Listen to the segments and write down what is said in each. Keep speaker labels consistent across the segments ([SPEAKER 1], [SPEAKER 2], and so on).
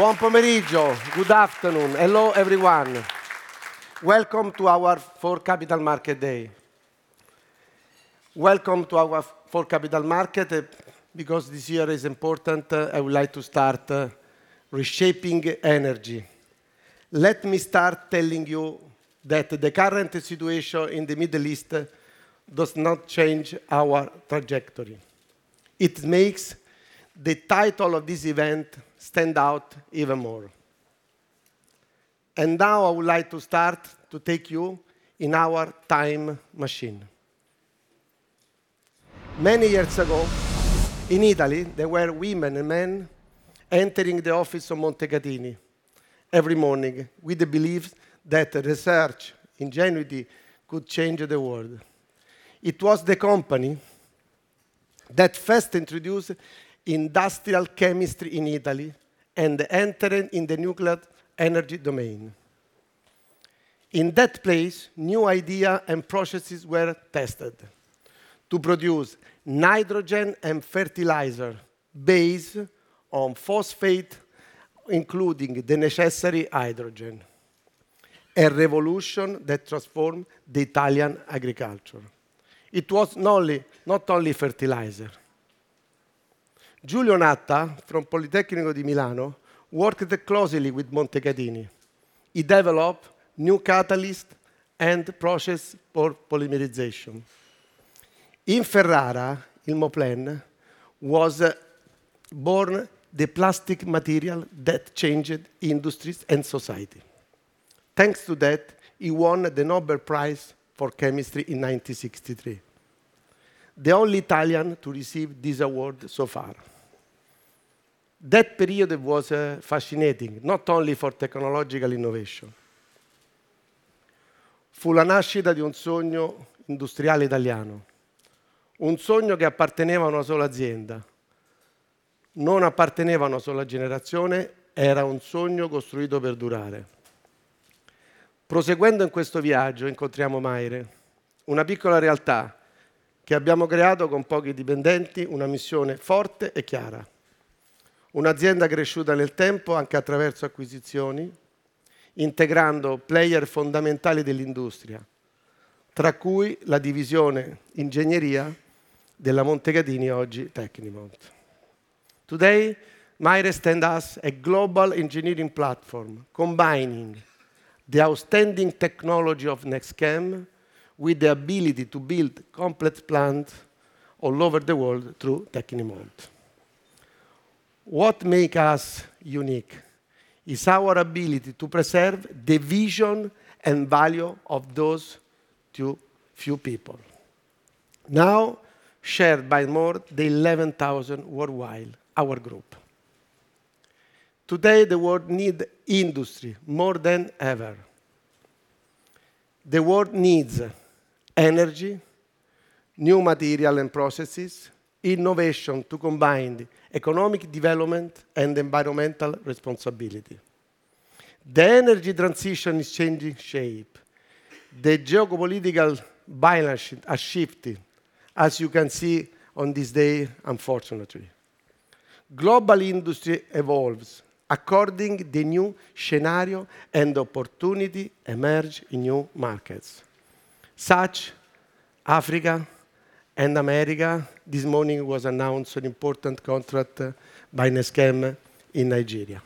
[SPEAKER 1] Buon pomeriggio. Good afternoon. Hello everyone. Welcome to our for Capital Market Day. Welcome to our for Capital Market, because this year is important, I would like to start reshaping energy. Let me start telling you that the current situation in the Middle East does not change our trajectory. It makes the title of this event stand out even more. Now I would like to start to take you in our time machine. Many years ago, in Italy, there were women and men entering the office of Montecatini every morning with the belief that research ingenuity could change the world. It was the company that first introduced industrial chemistry in Italy and entering in the nuclear energy domain. In that place, new idea and processes were tested to produce nitrogen and fertilizer based on phosphate, including the necessary hydrogen. A revolution that transformed the Italian agriculture. It was only, not only fertilizer. Giulio Natta from Politecnico di Milano, worked closely with Montecatini. He developed new catalyst and process for polymerization. In Ferrara, in Moplen was born the plastic material that changed industries and society. Thanks to that, he won the Nobel Prize in Chemistry in 1963, the only Italian to receive this award so far. That period was fascinating, not only for technological innovation. Fu la nascita di un sogno industriale italiano. Un sogno che apparteneva a una sola azienda. Non apparteneva a una sola generazione, era un sogno costruito per durare. Proseguendo in questo viaggio incontriamo MAIRE, una piccola realtà che abbiamo creato con pochi dipendenti, una missione forte e chiara. Un'azienda cresciuta nel tempo anche attraverso acquisizioni, integrando player fondamentali dell'industria, tra cui la divisione ingegneria della Montecatini, oggi Tecnimont. Today, MAIRE stands as a global engineering platform combining the outstanding technology of NextChem with the ability to build complex plant all over the world through Tecnimont. What make us unique is our ability to preserve the vision and value of those two few people. Now, shared by more than 11,000 worldwide, our group. Today, the world need industry more than ever. The world needs energy, new material and processes, innovation to combine economic development and environmental responsibility. The energy transition is changing shape. The geopolitical balance has shifted, as you can see on this day, unfortunately. Global industry evolves according the new scenario and opportunity emerge in new markets, such Africa and America. This morning was announced an important contract by NextChem in Nigeria.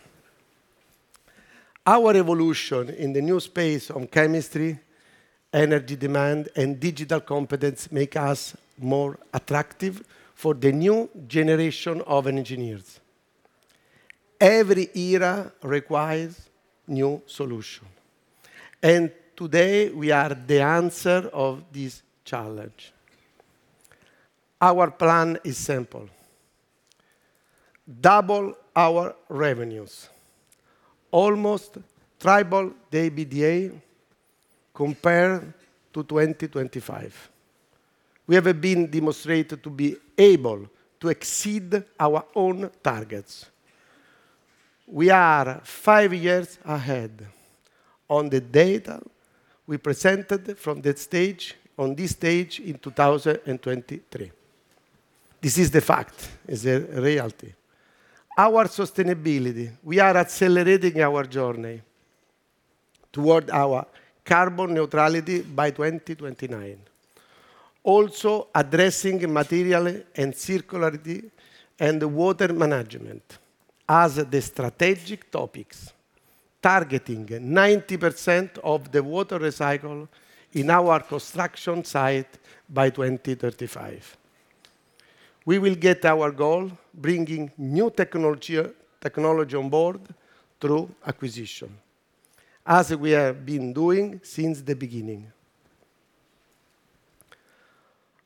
[SPEAKER 1] Our evolution in the new space on chemistry, energy demand and digital competence make us more attractive for the new generation of engineers. Every era requires new solution, today we are the answer of this challenge. Our plan is simple: double our revenues, almost triple the EBITDA compared to 2025. We have been demonstrated to be able to exceed our own targets. We are five years ahead on the data we presented from that stage, on this stage in 2023. This is the fact, is the reality. Our sustainability, we are accelerating our journey toward our carbon neutrality by 2029. Also addressing material and circularity and water management as the strategic topics, targeting 90% of the water recycle in our construction site by 2035. We will get our goal bringing new technology on board through acquisition, as we have been doing since the beginning.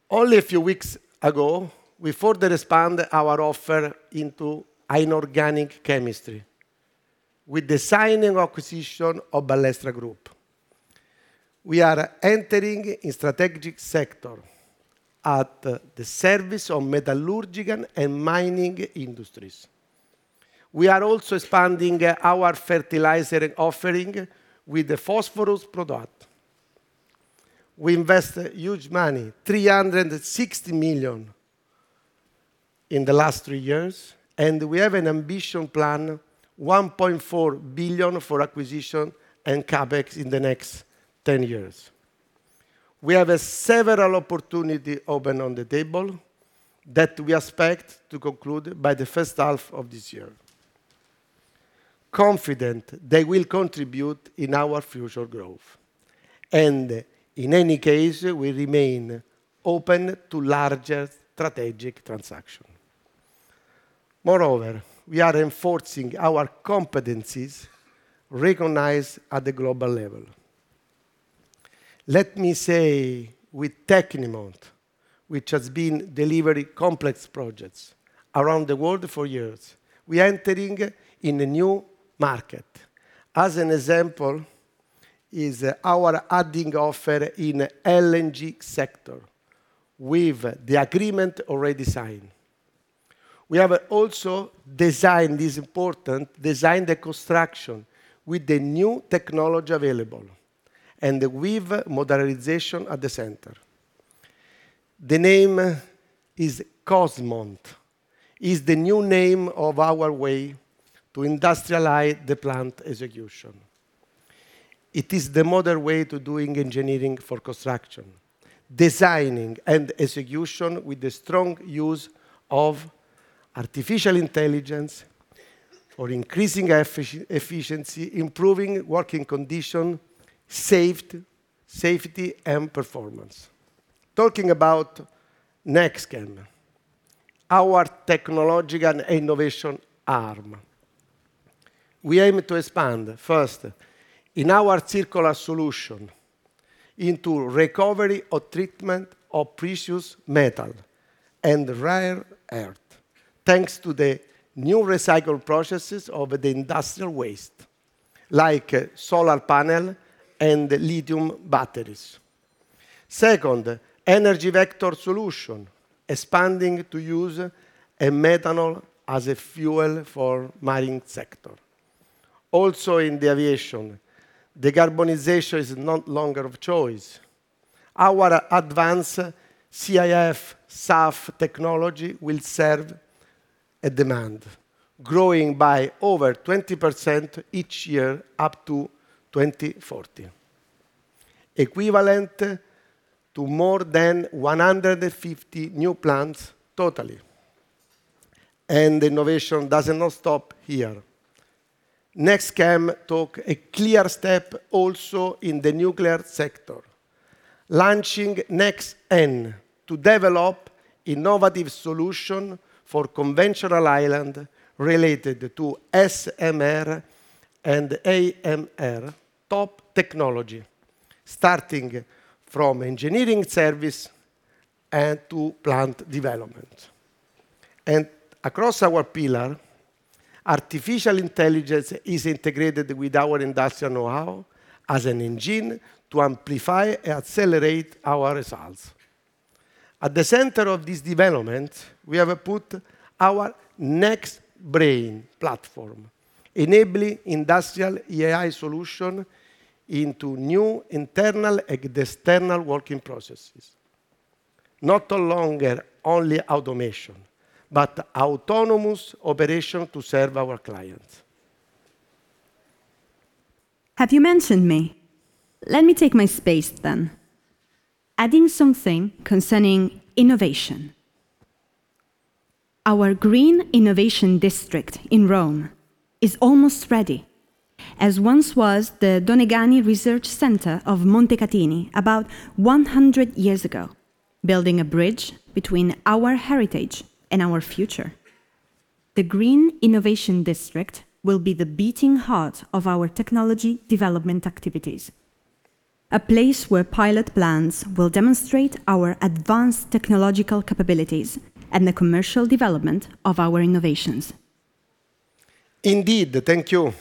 [SPEAKER 1] Only a few weeks ago, we further expand our offer into inorganic chemistry with the signing acquisition of Ballestra Group. We are entering a strategic sector at the service of metallurgical and mining industries. We are also expanding our fertilizer offering with the phosphorus product. We invest huge money, 360 million in the last three years. We have an ambition plan 1.4 billion for acquisition and CapEx in the next 10 years. We have several opportunity open on the table that we expect to conclude by the first half of this year. Confident they will contribute in our future growth. In any case, we remain open to larger strategic transaction. Moreover, we are enforcing our competencies recognized at the global level. Let me say with Tecnimont, which has been delivering complex projects around the world for years, we entering in a new market. As an example is our adding offer in LNG sector with the agreement already signed. We have also designed the construction with the new technology available and with modernization at the center. The name is COSMONT, the new name of our way to industrialize the plant execution. It is the modern way to doing engineering for construction, designing and execution with the strong use of artificial intelligence for increasing efficiency, improving working condition, safety and performance. Talking about NextChem, our technological innovation arm. We aim to expand first in our circular solution into recovery or treatment of precious metal and rare earth, thanks to the new recycle processes of the industrial waste, like solar panel and lithium batteries. Second, energy vector solution, expanding to use a methanol as a fuel for marine sector. Also in the aviation, decarbonization is no longer of choice. Our advanced CIF SAF technology will serve a demand, growing by over 20% each year up to 2040, equivalent to more than 150 new plants totally. Innovation does not stop here. NextChem took a clear step also in the nuclear sector, launching NEXT-N to develop innovative solution for conventional island related to SMR and AMR top technology, starting from engineering service and to plant development. Across our pillar, artificial intelligence is integrated with our industrial know-how as an engine to amplify and accelerate our results. At the center of this development, we have put our Next-Brain platform, enabling industrial AI solution into new internal and external working processes. Not no longer only automation, but autonomous operation to serve our clients.
[SPEAKER 2] Have you mentioned me? Let me take my space then. Adding something concerning innovation. Our Green Innovation District in Rome is almost ready, as once was the Donegani Research Center of Montecatini about 100 years ago, building a bridge between our heritage and our future. The Green Innovation District will be the beating heart of our technology development activities, a place where pilot plans will demonstrate our advanced technological capabilities and the commercial development of our innovations.
[SPEAKER 1] Indeed. Thank you.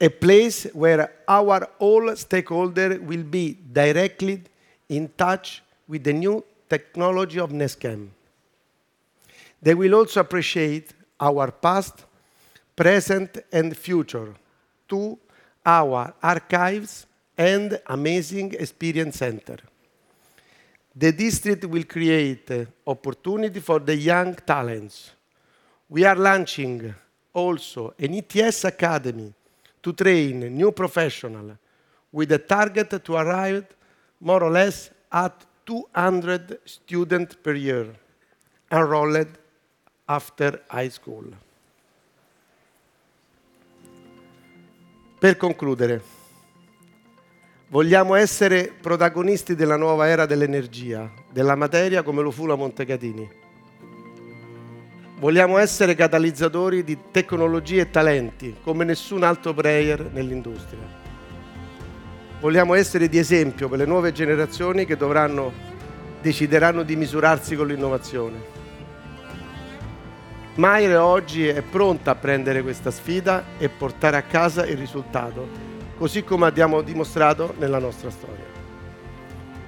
[SPEAKER 1] A place where our all stakeholder will be directly in touch with the new technology of NextChem. They will also appreciate our past, present, and future to our archives and amazing experience center. The district will create opportunity for the young talents. We are launching also an ETS Academy to train new professional with a target to arrive more or less at 200 student per year enrolled after high school. Per concludere, vogliamo essere protagonisti della nuova era dell'energia, della materia, come lo fu la Montecatini. Vogliamo essere catalizzatori di tecnologie e talenti come nessun altro player nell'industria. Vogliamo essere di esempio per le nuove generazioni che dovranno, decideranno di misurarsi con l'innovazione. MAIRE oggi è pronta a prendere questa sfida e portare a casa il risultato, così come abbiamo dimostrato nella nostra storia.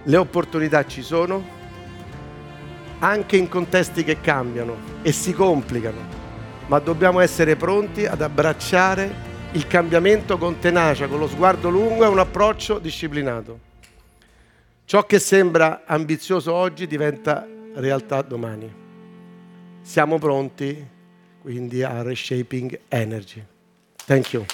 [SPEAKER 1] Le opportunità ci sono anche in contesti che cambiano e si complicano. Dobbiamo essere pronti ad abbracciare il cambiamento con tenacia, con lo sguardo lungo e un approccio disciplinato. Ciò che sembra ambizioso oggi diventa realtà domani. Siamo pronti a reshaping energy. Thank you.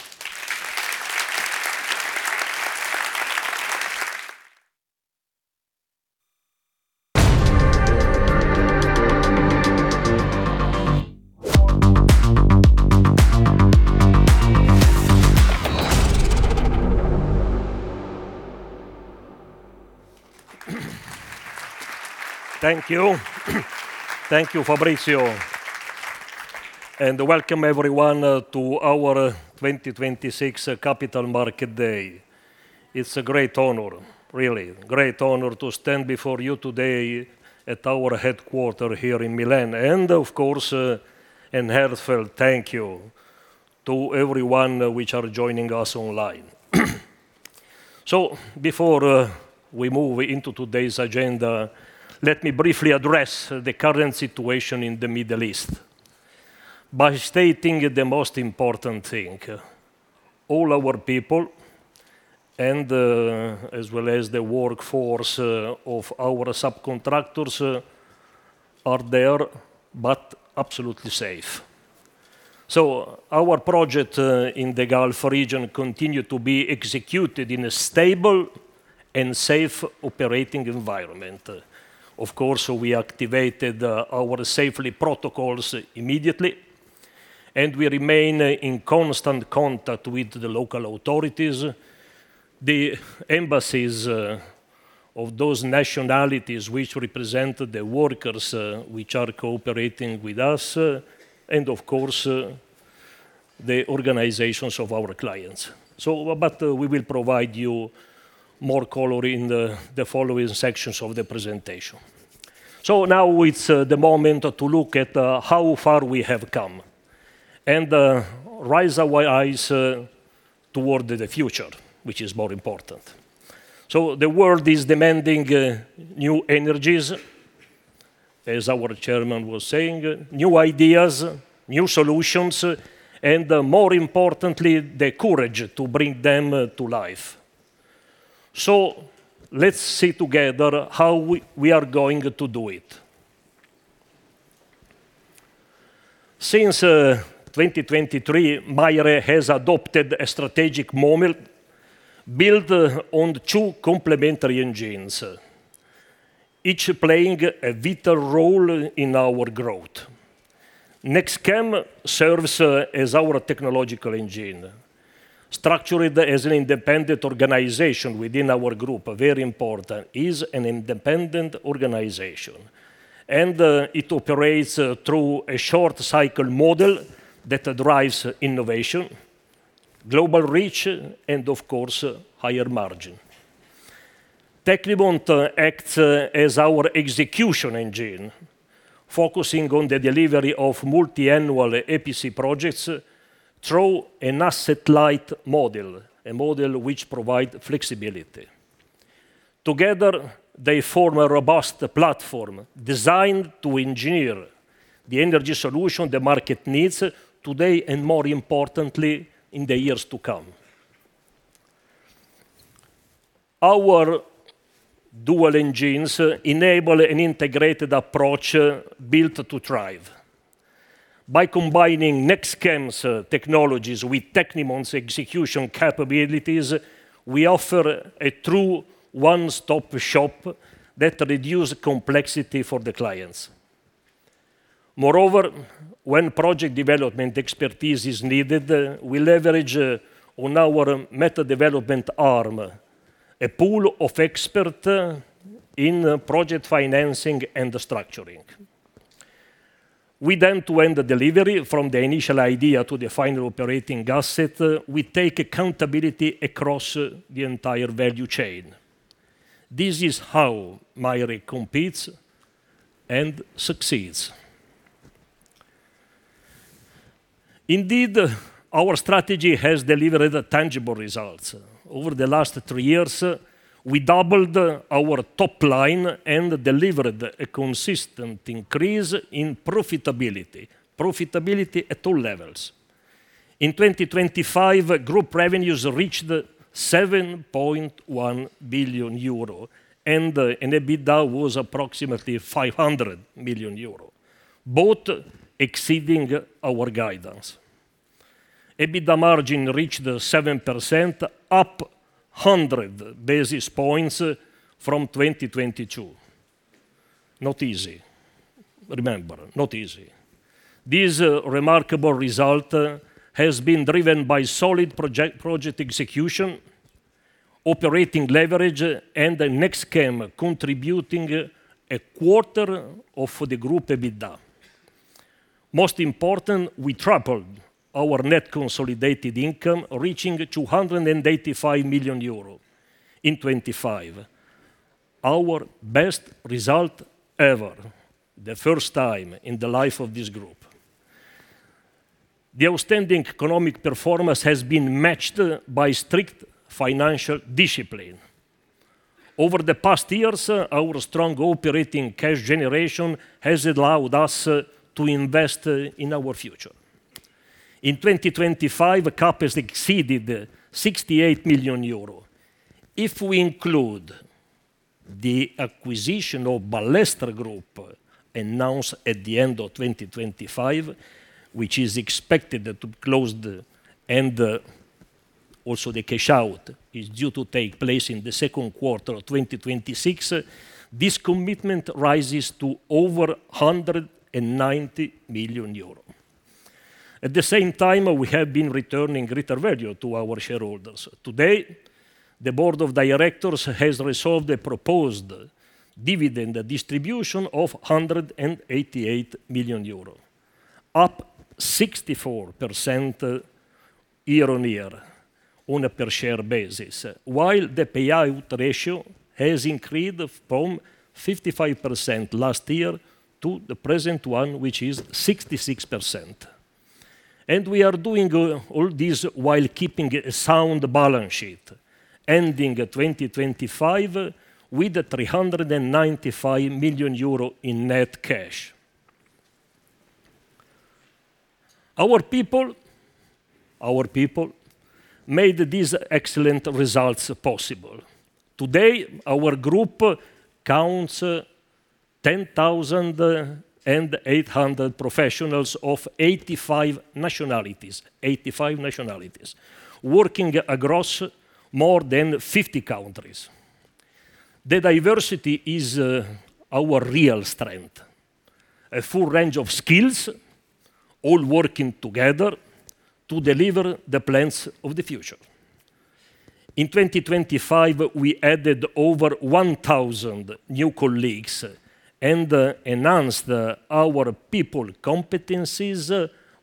[SPEAKER 3] Thank you. Thank you Fabrizio and welcome everyone to our 2026 Capital Market Day. It's a great honor, really, great honor to stand before you today at our headquarter here in Milan and of course, an heartfelt thank you to everyone which are joining us online. Before we move into today's agenda, let me briefly address the current situation in the Middle East by stating the most important thing: all our people and as well as the workforce of our subcontractors are there but absolutely safe. Our project in the Gulf region continue to be executed in a stable and safe operating environment. Of course, we activated our safety protocols immediately, and we remain in constant contact with the local authorities, the embassies of those nationalities which represent the workers, which are cooperating with us, and of course, the organizations of our clients. We will provide you more color in the following sections of the presentation. Now it's the moment to look at how far we have come and rise our eyes toward the future, which is more important. The world is demanding new energies, as our chairman was saying, new ideas, new solutions, and more importantly, the courage to bring them to life. Let's see together how we are going to do it. Since 2023, MAIRE has adopted a strategic model built on two complementary engines, each playing a vital role in our growth. NextChem serves as our technological engine. Structured as an independent organization within our group, very important, is an independent organization. It operates through a short cycle model that drives innovation, global reach, and of course, higher margin. Tecnimont acts as our execution engine, focusing on the delivery of multi-annual EPC projects through an asset-light model, a model which provide flexibility. Together, they form a robust platform designed to engineer the energy solution the market needs today and more importantly, in the years to come. Our dual engines enable an integrated approach built to thrive. By combining NextChem's technologies with Tecnimont's execution capabilities, we offer a true one-stop shop that reduce complexity for the clients. Moreover, when project development expertise is needed, we leverage on our MET Development arm, a pool of expert in project financing and structuring. With end-to-end delivery from the initial idea to the final operating asset, we take accountability across the entire value chain. This is how MAIRE competes and succeeds. Our strategy has delivered tangible results. Over the last three years, we doubled our top line and delivered a consistent increase in profitability. Profitability at all levels. In 2025, group revenues reached 7.1 billion euro and EBITDA was approximately 500 million euro, both exceeding our guidance. EBITDA margin reached 7%, up 100 basis points from 2022. Not easy. Remember, not easy. This remarkable result has been driven by solid project execution, operating leverage and NextChem contributing 1/4 of the group EBITDA. Most important, we tripled our net consolidated income reaching 285 million euros in 2025. Our best result ever, the first time in the life of this group. The outstanding economic performance has been matched by strict financial discipline. Over the past years, our strong operating cash generation has allowed us to invest in our future. In 2025, CAPEX exceeded 68 million euros. If we include the acquisition of Ballestra Group announced at the end of 2025, which is expected to close, also the cash out is due to take place in the second quarter of 2026, this commitment rises to over 190 million euros. At the same time, we have been returning greater value to our shareholders. Today, the board of directors has resolved a proposed dividend, a distribution of 188 million euro, up 64% year-on-year on a per share basis, while the payout ratio has increased from 55% last year to the present one, which is 66%. We are doing all this while keeping a sound balance sheet, ending 2025 with 395 million euro in net cash. Our people made these excellent results possible. Today, our group counts 10,800 professionals of 85 nationalities, working across more than 50 countries. The diversity is our real strength. A full range of skills, all working together to deliver the plans of the future. In 2025, we added over 1,000 new colleagues and enhanced our people competencies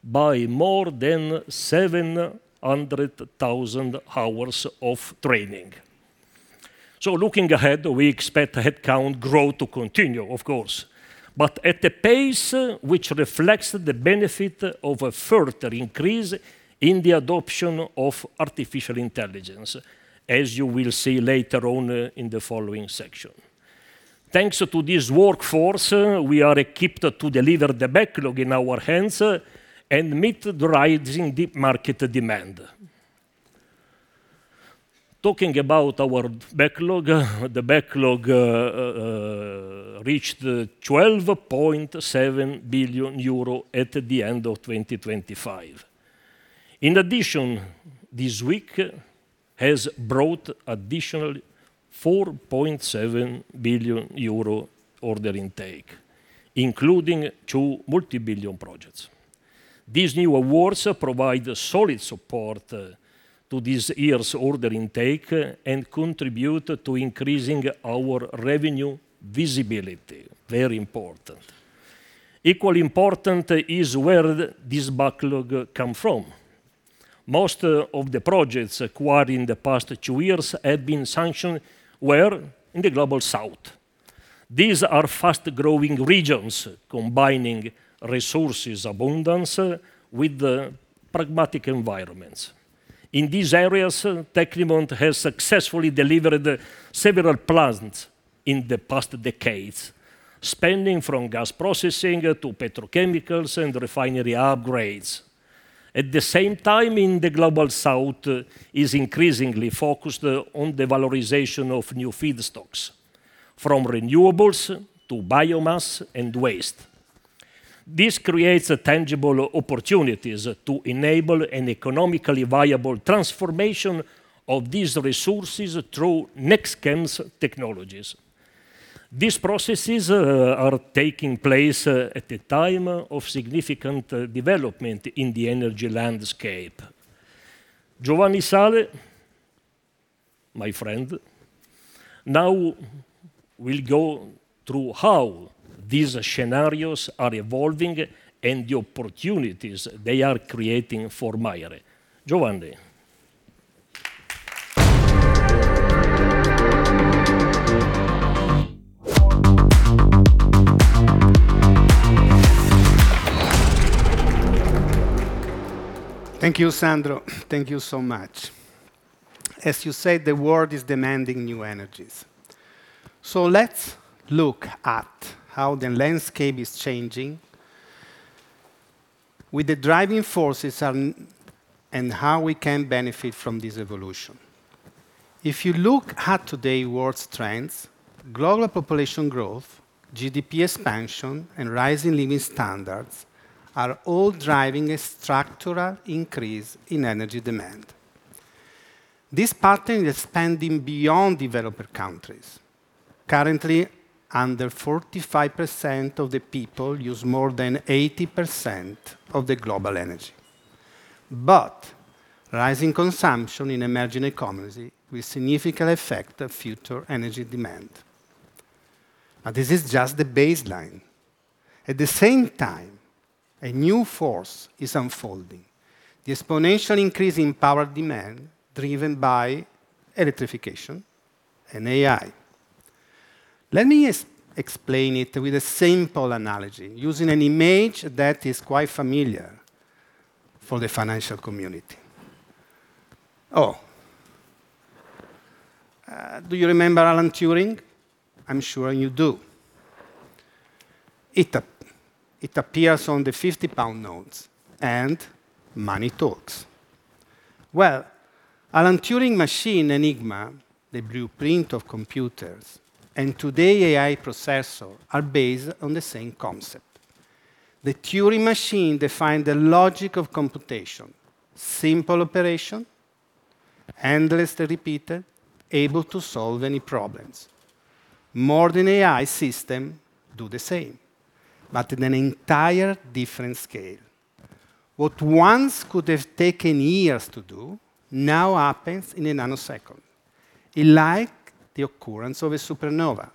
[SPEAKER 3] by more than 700,000 hours of training. Looking ahead, we expect headcount growth to continue, of course, but at a pace which reflects the benefit of a further increase in the adoption of artificial intelligence, as you will see later on in the following section. Thanks to this workforce, we are equipped to deliver the backlog in our hands and meet the rising deep market demand. Talking about our backlog, the backlog reached 12.7 billion euro at the end of 2025. In addition, this week has brought additional 4.7 billion euro order intake, including two multi-billion projects. These new awards provide a solid support to this year's order intake and contribute to increasing our revenue visibility. Very important. Equally important is where this backlog come from. Most of the projects acquired in the past two years have been sanctioned where? In the Global South. These are fast-growing regions combining resources abundance with pragmatic environments. In these areas, Tecnimont has successfully delivered several plants in the past decades, spanning from gas processing to petrochemicals and refinery upgrades. At the same time, the Global South is increasingly focused on the valorization of new feedstocks, from renewables to biomass and waste. This creates tangible opportunities to enable an economically viable transformation of these resources through next-gens technologies. These processes are taking place at the time of significant development in the energy landscape. Giovanni Sale, my friend, now will go through how these scenarios are evolving and the opportunities they are creating for MAIRE. Giovanni.
[SPEAKER 4] Thank you, Alessandro. Thank you so much. As you said, the world is demanding new energies. Let's look at how the landscape is changing with the driving forces and how we can benefit from this evolution. If you look at today's world trends, global population growth, GDP expansion, and rising living standards are all driving a structural increase in energy demand. This pattern is expanding beyond developed countries. Currently, under 45% of the people use more than 80% of the global energy. Rising consumption in emerging economies will significantly affect the future energy demand. This is just the baseline. At the same time, a new force is unfolding, the exponential increase in power demand driven by electrification and AI. Let me explain it with a simple analogy using an image that is quite familiar for the financial community. Do you remember Alan Turing? I'm sure you do. It appears on the 50 pound notes. Money talks. Alan Turing machine Enigma, the blueprint of computers, and today AI processor, are based on the same concept. The Turing machine defined the logic of computation, simple operation, endlessly repeated, able to solve any problems. Modern AI system do the same, in an entire different scale. What once could have taken years to do now happens in a nanosecond, like the occurrence of a supernova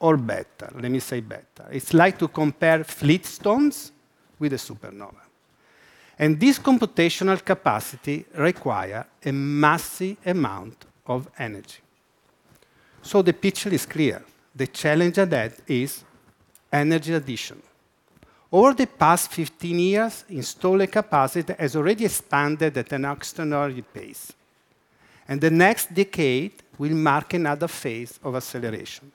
[SPEAKER 4] or better. Let me say better. It's like to compare The Flintstones with a supernova, and this computational capacity require a massive amount of energy. The picture is clear. The challenge ahead is energy addition. Over the past 15 years, installed capacity has already expanded at an extraordinary pace, and the next decade will mark another phase of acceleration.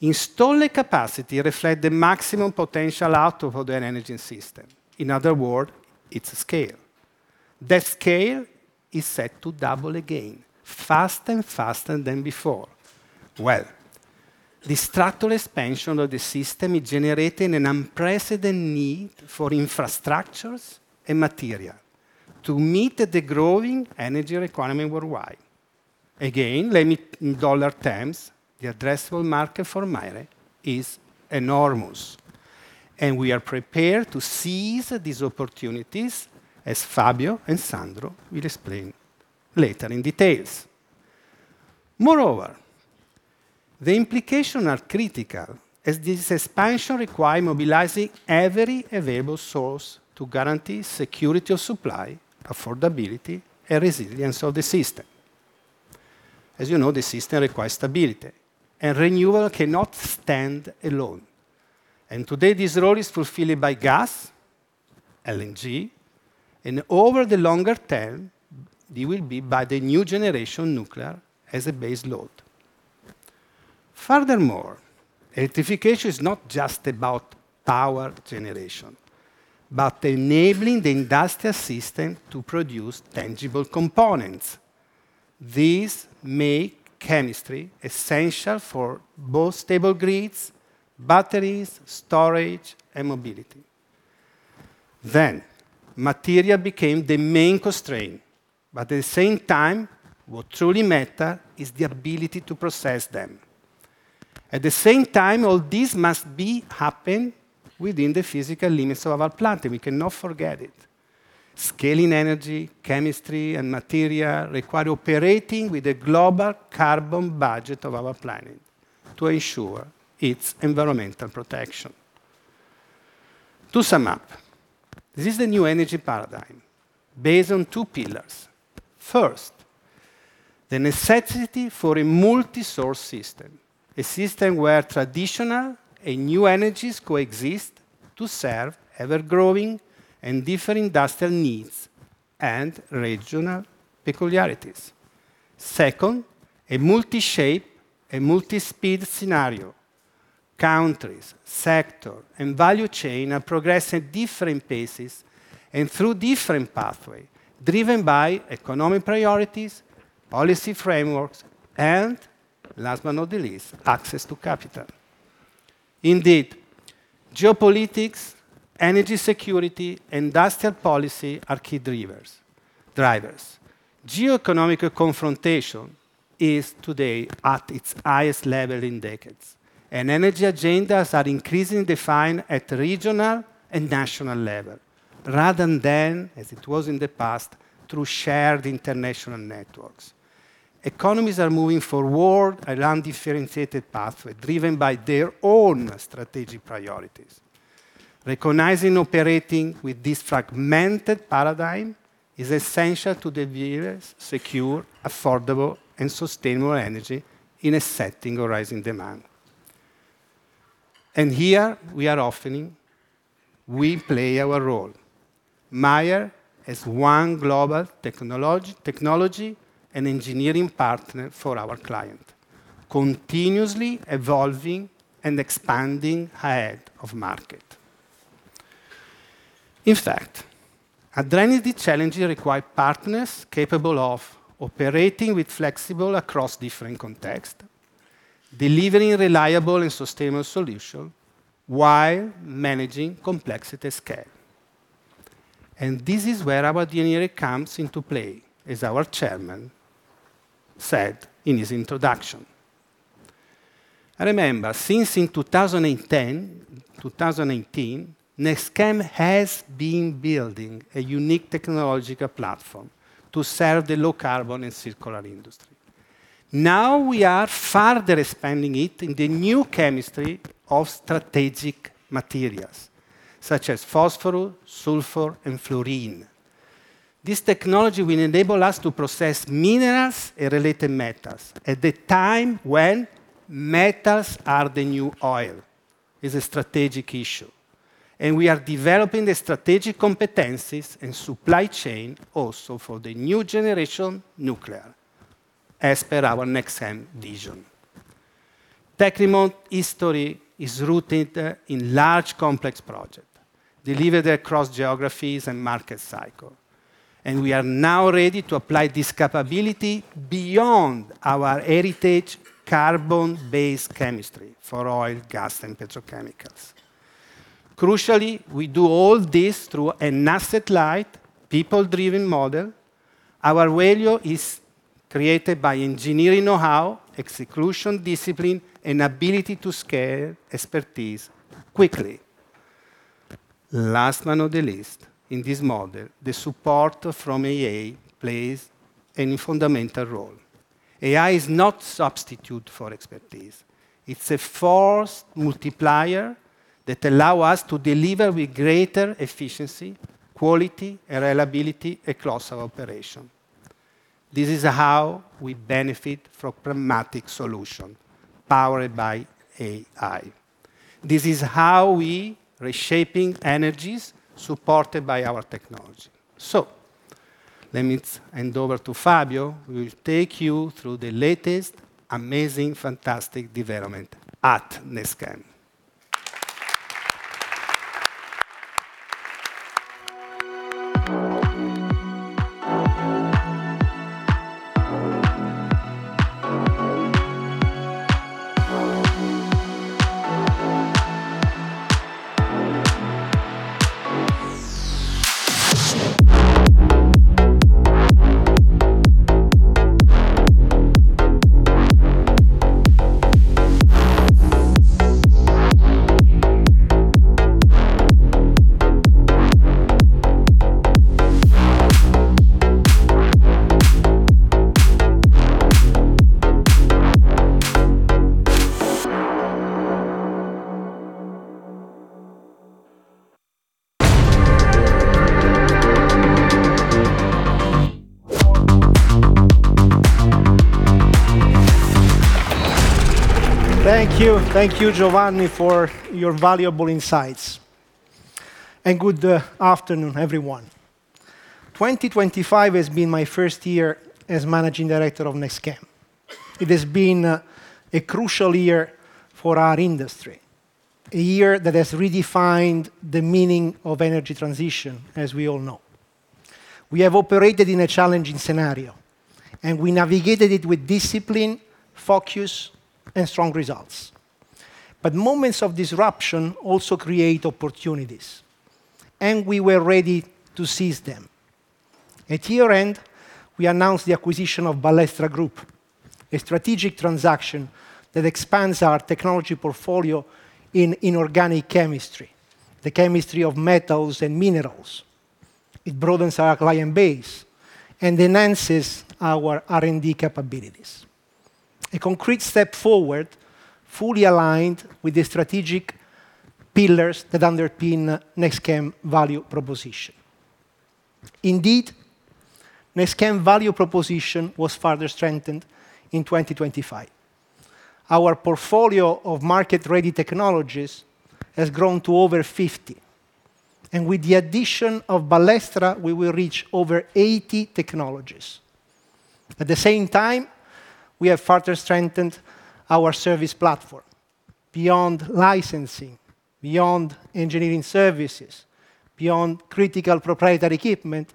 [SPEAKER 4] Installed capacity reflects the maximum potential out of the energy system. In other words, it's scale. That scale is set to double again, faster and faster than before. The structural expansion of the system is generating an unprecedented need for infrastructures and material to meet the growing energy requirement worldwide. Let me, in dollar terms, the addressable market for MAIRE is enormous, and we are prepared to seize these opportunities, as Fabio and Sandro will explain later in detail. The implications are critical, as this expansion requires mobilizing every available source to guarantee security of supply, affordability, and resilience of the system. As you know, the system requires stability, renewable cannot stand alone. Today, this role is fulfilled by gas, LNG, and over the longer term, it will be by the new generation nuclear as a base load. Electrification is not just about power generation, but enabling the industrial system to produce tangible components. These make chemistry essential for both stable grids, batteries, storage, and mobility. Material became the main constraint, but at the same time, what truly matter is the ability to process them. At the same time, all this must be happen within the physical limits of our planet. We cannot forget it. Scaling energy, chemistry, and material require operating with the global carbon budget of our planet to ensure its environmental protection. To sum up, this is the new energy paradigm based on two pillars. First, the necessity for a multi-source system, a system where traditional and new energies coexist to serve ever-growing and different industrial needs and regional peculiarities. Second, a multi-shape, a multi-speed scenario. Countries, sector, and value chain are progressing different pathway, driven by economic priorities, policy frameworks, and last but not the least, access to capital. Indeed, geopolitics, energy security, industrial policy are key drivers. Geoeconomic confrontation is today at its highest level in decades, and energy agendas are increasingly defined at regional and national level rather than, as it was in the past, through shared international networks. Economies are moving forward along differentiated pathway, driven by their own strategic priorities. Recognizing operating with this fragmented paradigm is essential to deliver secure, affordable, and sustainable energy in a setting of rising demand. Here we play our role. MAIRE as one global technology and engineering partner for our client, continuously evolving and expanding ahead of market. In fact, a draining challenge require partners capable of operating with flexible across different context, delivering reliable and sustainable solution while managing complexity scale. This is where our engineering comes into play, as our chairman said in his introduction. Remember, since in 2010, 2018, NextChem has been building a unique technological platform to serve the low carbon and circular industry. Now we are further expanding it in the new chemistry of strategic materials, such as phosphorus, sulfur, and fluorine. This technology will enable us to process minerals and related metals at the time when metals are the new oil. Is a strategic issue. We are developing the strategic competencies and supply chain also for the new generation nuclear as per our NextChem vision. Tecnimont history is rooted in large complex project, delivered across geographies and market cycle. We are now ready to apply this capability beyond our heritage carbon-based chemistry for oil, gas, and petrochemicals. Crucially, we do all this through an asset-light, people-driven model. Our value is created by engineering know-how, execution discipline, and ability to scale expertise quickly. Last but not the least, in this model, the support from AI plays an fundamental role. AI is not substitute for expertise. It's a force multiplier that allow us to deliver with greater efficiency, quality, and reliability across our operation. This is how we benefit from pragmatic solution powered by AI. This is how we reshaping energies supported by our technology. Let me hand over to Fabio, who will take you through the latest amazing, fantastic development at NextChem.
[SPEAKER 5] Thank you. Thank you, Giovanni, for your valuable insights. Good afternoon, everyone. 2025 has been my first year as managing director of NextChem. It has been a crucial year for our industry, a year that has redefined the meaning of energy transition, as we all know. We have operated in a challenging scenario, and we navigated it with discipline, focus, and strong results. Moments of disruption also create opportunities, and we were ready to seize them. At year-end, we announced the acquisition of Ballestra Group, a strategic transaction that expands our technology portfolio in inorganic chemistry, the chemistry of metals and minerals. It broadens our client base and enhances our R&D capabilities. A concrete step forward, fully aligned with the strategic pillars that underpin NextChem value proposition. Indeed, NextChem value proposition was further strengthened in 2025. Our portfolio of market-ready technologies has grown to over 50, and with the addition of Ballestra, we will reach over 80 technologies. At the same time, we have further strengthened our service platform. Beyond licensing, beyond engineering services, beyond critical proprietary equipment,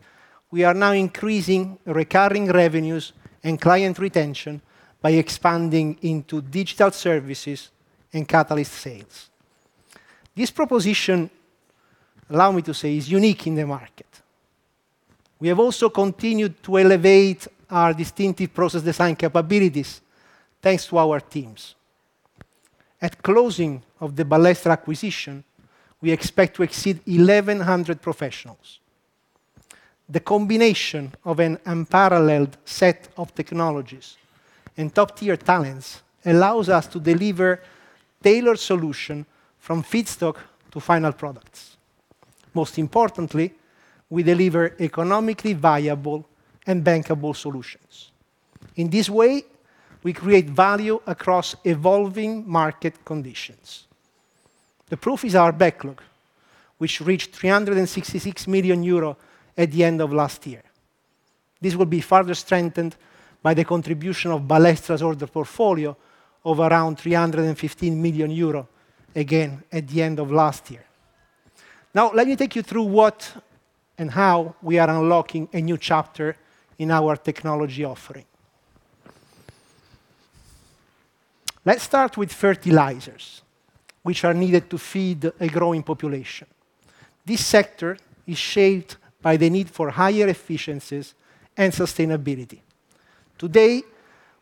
[SPEAKER 5] we are now increasing recurring revenues and client retention by expanding into digital services and catalyst sales. This proposition, allow me to say, is unique in the market. We have also continued to elevate our distinctive process design capabilities, thanks to our teams. At closing of the Ballestra acquisition, we expect to exceed 1,100 professionals. The combination of an unparalleled set of technologies and top-tier talents allows us to deliver tailored solution from feedstock to final products. Most importantly, we deliver economically viable and bankable solutions. In this way, we create value across evolving market conditions. The proof is our backlog, which reached 366 million euros at the end of last year. This will be further strengthened by the contribution of Ballestra's order portfolio of around 315 million euro, again, at the end of last year. Let me take you through what and how we are unlocking a new chapter in our technology offering. Let's start with fertilizers, which are needed to feed a growing population. This sector is shaped by the need for higher efficiencies and sustainability. Today,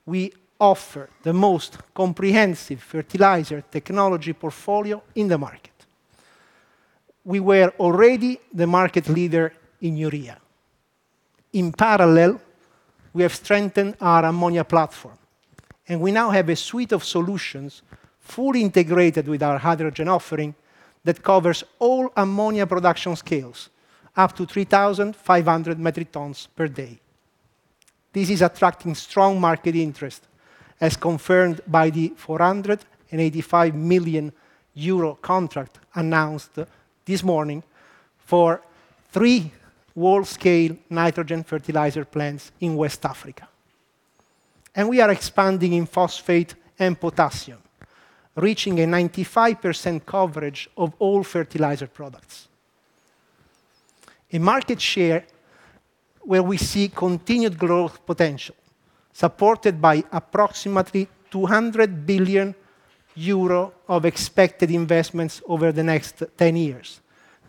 [SPEAKER 5] we offer the most comprehensive fertilizer technology portfolio in the market. We were already the market leader in urea. In parallel, we have strengthened our ammonia platform. We now have a suite of solutions fully integrated with our hydrogen offering that covers all ammonia production scales, up to 3,500 metric tons per day. This is attracting strong market interest, as confirmed by the 485 million euro contract announced this morning for three world-scale nitrogen fertilizer plants in West Africa. We are expanding in phosphate and potassium, reaching a 95% coverage of all fertilizer products. A market share where we see continued growth potential, supported by approximately 200 billion euro of expected investments over the next 10 years,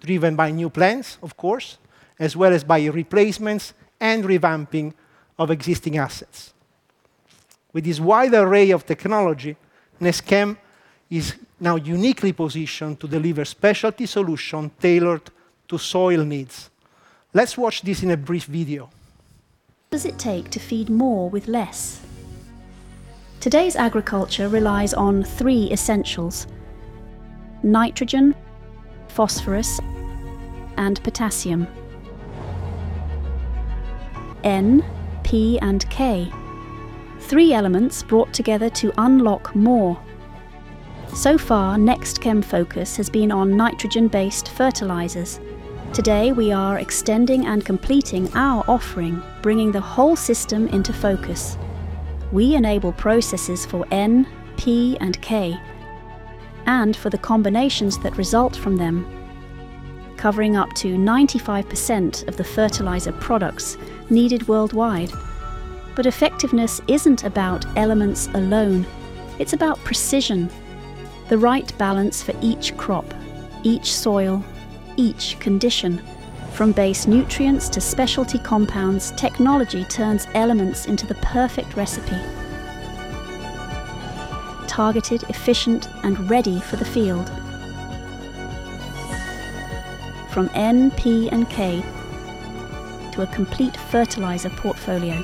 [SPEAKER 5] driven by new plants, of course, as well as by replacements and revamping of existing assets. With this wide array of technology, NextChem is now uniquely positioned to deliver specialty solution tailored to soil needs. Let's watch this in a brief video.
[SPEAKER 6] What does it take to feed more with less? Today's agriculture relies on threeessentials: nitrogen, phosphorus, and potassium. N, P, and K, three elements brought together to unlock more. So far, NextChem focus has been on nitrogen-based fertilizers. Today, we are extending and completing our offering, bringing the whole system into focus. We enable processes for N, P, and K, and for the combinations that result from them, covering up to 95% of the fertilizer products needed worldwide. Effectiveness isn't about elements alone. It's about precision, the right balance for each crop, each soil, each condition. From base nutrients to specialty compounds, technology turns elements into the perfect recipe. Targeted, efficient, and ready for the field. From N, P, and K to a complete fertilizer portfolio.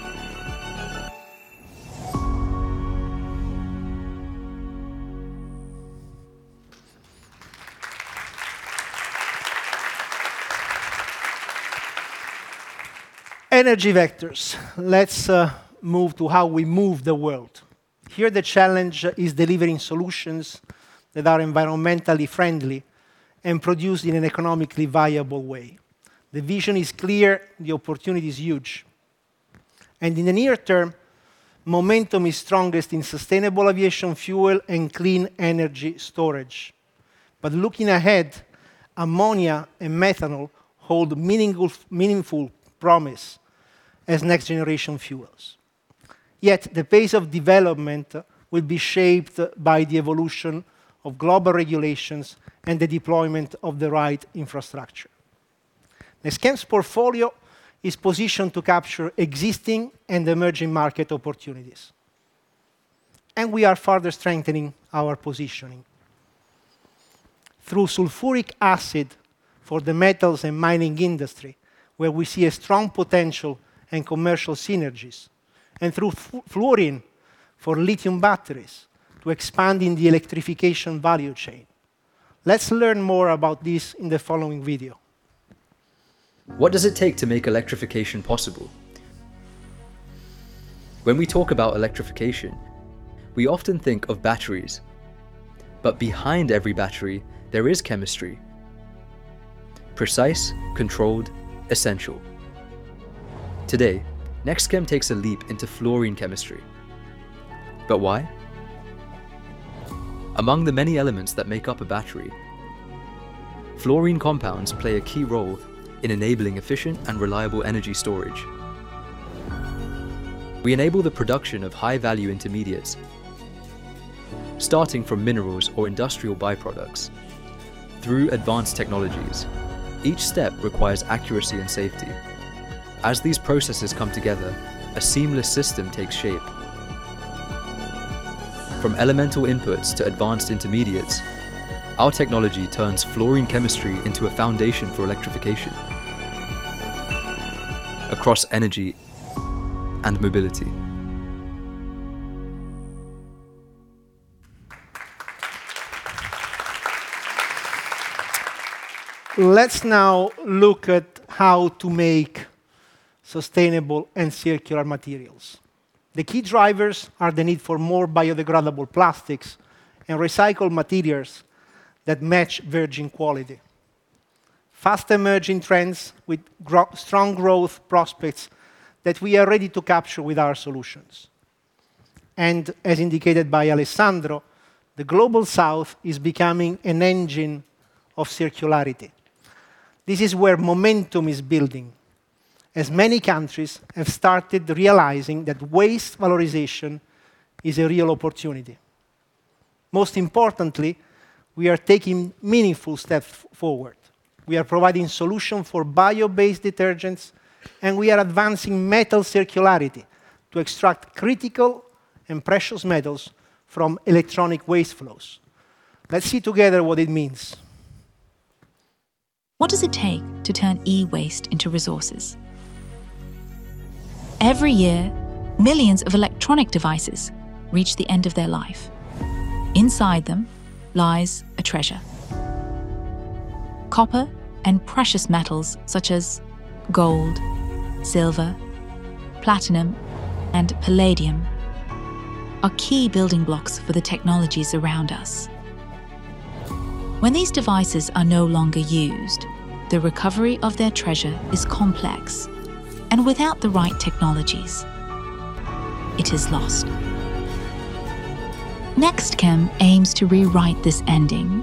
[SPEAKER 5] Energy vectors. Let's move to how we move the world. Here, the challenge is delivering solutions that are environmentally friendly and produced in an economically viable way. The vision is clear, the opportunity is huge. In the near term, momentum is strongest in sustainable aviation fuel and clean energy storage. Looking ahead, ammonia and methanol hold meaningful promise as next-generation fuels. The pace of development will be shaped by the evolution of global regulations and the deployment of the right infrastructure. NextChem's portfolio is positioned to capture existing and emerging market opportunities, and we are further strengthening our positioning through sulfuric acid for the metals and mining industry, where we see a strong potential and commercial synergies, and through fluorine for lithium batteries to expand in the electrification value chain. Let's learn more about this in the following video.
[SPEAKER 7] What does it take to make electrification possible? When we talk about electrification, we often think of batteries. Behind every battery, there is chemistry, precise, controlled, essential. Today, NextChem takes a leap into fluorine chemistry. Why? Among the many elements that make up a battery, fluorine compounds play a key role in enabling efficient and reliable energy storage. We enable the production of high-value intermediates, starting from minerals or industrial byproducts through advanced technologies. Each step requires accuracy and safety. As these processes come together, a seamless system takes shape. From elemental inputs to advanced intermediates, our technology turns fluorine chemistry into a foundation for electrification across energy and mobility.
[SPEAKER 5] Let's now look at how to make sustainable and circular materials. The key drivers are the need for more biodegradable plastics and recycled materials that match virgin quality. Fast emerging trends with strong growth prospects that we are ready to capture with our solutions. As indicated by Alessandro, the Global South is becoming an engine of circularity. This is where momentum is building, as many countries have started realizing that waste valorization is a real opportunity. Most importantly, we are taking meaningful step forward. We are providing solution for bio-based detergents, and we are advancing metal circularity to extract critical and precious metals from electronic waste flows. Let's see together what it means
[SPEAKER 8] What does it take to turn e-waste into resources? Every year, millions of electronic devices reach the end of their life. Inside them lies a treasure. Copper and precious metals such as gold, silver, platinum, and palladium are key building blocks for the technologies around us. When these devices are no longer used, the recovery of their treasure is complex, and without the right technologies, it is lost. NextChem aims to rewrite this ending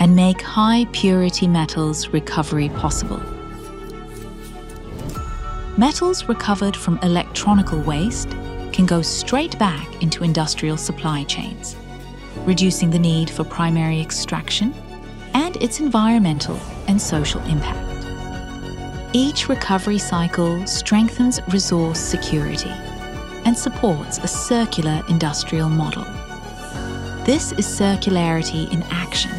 [SPEAKER 8] and make high purity metals recovery possible. Metals recovered from electronic waste can go straight back into industrial supply chains, reducing the need for primary extraction and its environmental and social impact. Each recovery cycle strengthens resource security and supports a circular industrial model. This is circularity in action,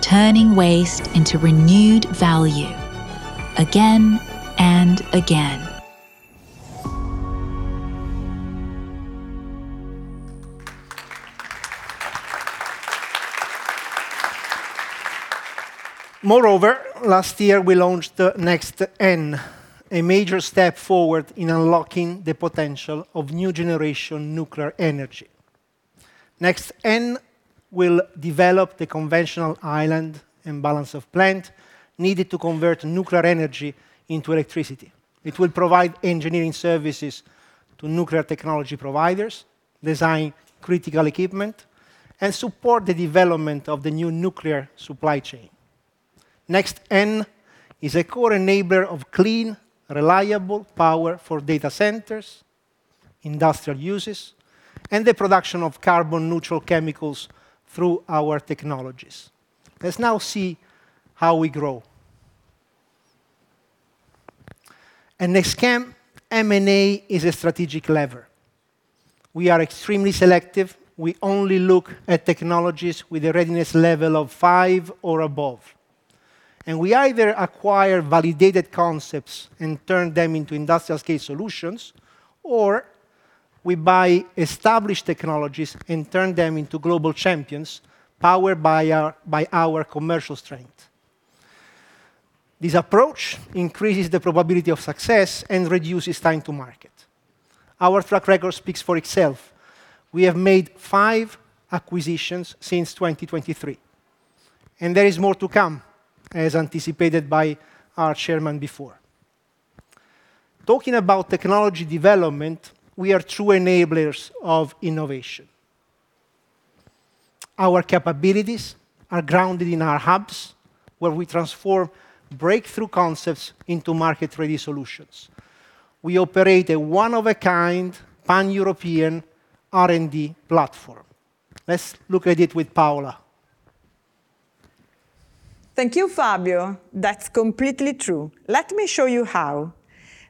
[SPEAKER 8] turning waste into renewed value again and again.
[SPEAKER 5] Last year we launched NEXT-N, a major step forward in unlocking the potential of new generation nuclear energy. NEXT-N will develop the conventional island and balance of plant needed to convert nuclear energy into electricity. It will provide engineering services to nuclear technology providers, design critical equipment, and support the development of the new nuclear supply chain. NEXT-N is a core enabler of clean, reliable power for data centers, industrial uses, and the production of carbon neutral chemicals through our technologies. Let's now see how we grow. At NextChem, M&A is a strategic lever. We are extremely selective. We only look at technologies with a readiness level of five or above. We either acquire validated concepts and turn them into industrial scale solutions, or we buy established technologies and turn them into global champions powered by our commercial strength. This approach increases the probability of success and reduces time to market. Our track record speaks for itself. We have made five acquisitions since 2023, and there is more to come as anticipated by our chairman before. Talking about technology development, we are true enablers of innovation. Our capabilities are grounded in our hubs, where we transform breakthrough concepts into market ready solutions. We operate a one of a kind pan-European R&D platform. Let's look at it with Paola.
[SPEAKER 9] Thank you, Fabio. That's completely true. Let me show you how.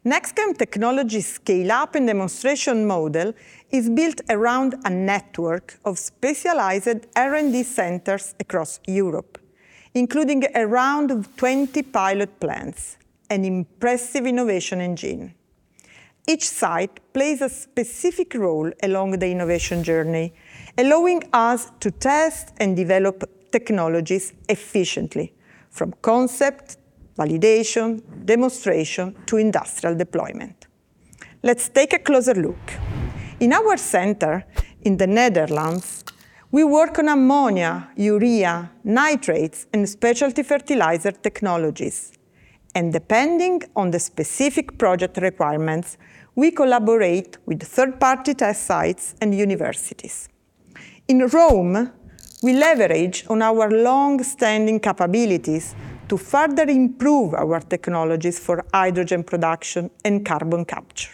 [SPEAKER 9] NextChem technology scale up and demonstration model is built around a network of specialized R&D centers across Europe, including around 20 pilot plants, an impressive innovation engine. Each site plays a specific role along the innovation journey, allowing us to test and develop technologies efficiently from concept, validation, demonstration to industrial deployment. Let's take a closer look. In our center in the Netherlands, we work on ammonia, urea, nitrates, and specialty fertilizer technologies. Depending on the specific project requirements, we collaborate with third-party test sites and universities. In Rome, we leverage on our long-standing capabilities to further improve our technologies for hydrogen production and carbon capture.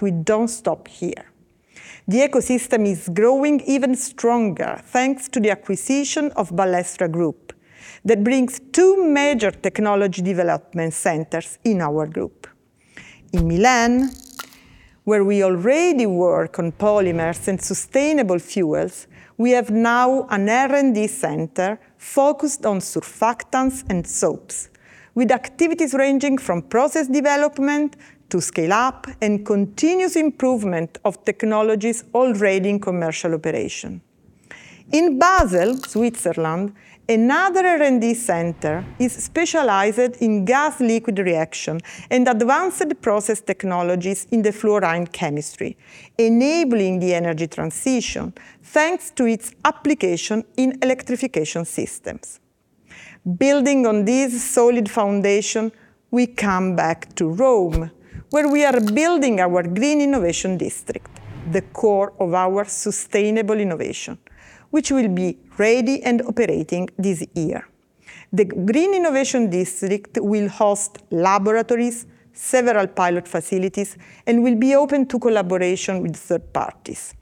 [SPEAKER 9] We don't stop here. The ecosystem is growing even stronger thanks to the acquisition of Ballestra Group that brings two major technology development centers in our group. In Milan, where we already work on polymers and sustainable fuels, we have now an R&D center focused on surfactants and soaps with activities ranging from process development to scale up and continuous improvement of technologies already in commercial operation. In Basel, Switzerland, another R&D center is specialized in gas liquid reaction and advanced process technologies in the fluorine chemistry, enabling the energy transition thanks to its application in electrification systems. Building on this solid foundation, we come back to Rome, where we are building our Green Innovation District, the core of our sustainable innovation, which will be ready and operating this year. The Green Innovation District will host laboratories, several pilot facilities, and will be open to collaboration with third parties.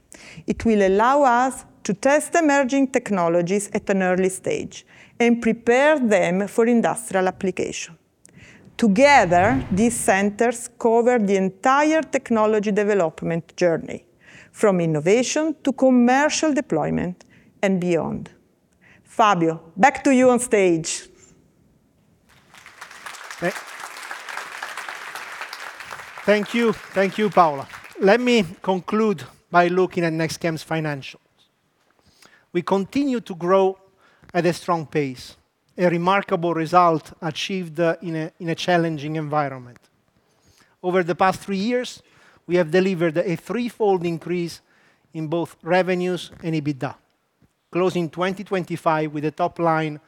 [SPEAKER 9] It will allow us to test emerging technologies at an early stage and prepare them for industrial application. Together, these centers cover the entire technology development journey, from innovation to commercial deployment and beyond. Fabio, back to you on stage.
[SPEAKER 5] Thank you. Thank you, Paola. Let me conclude by looking at NextChem's financials. We continue to grow at a strong pace, a remarkable result achieved in a challenging environment. Over the past three years, we have delivered a threefold increase in both revenues and EBITDA, closing 2025 with a top line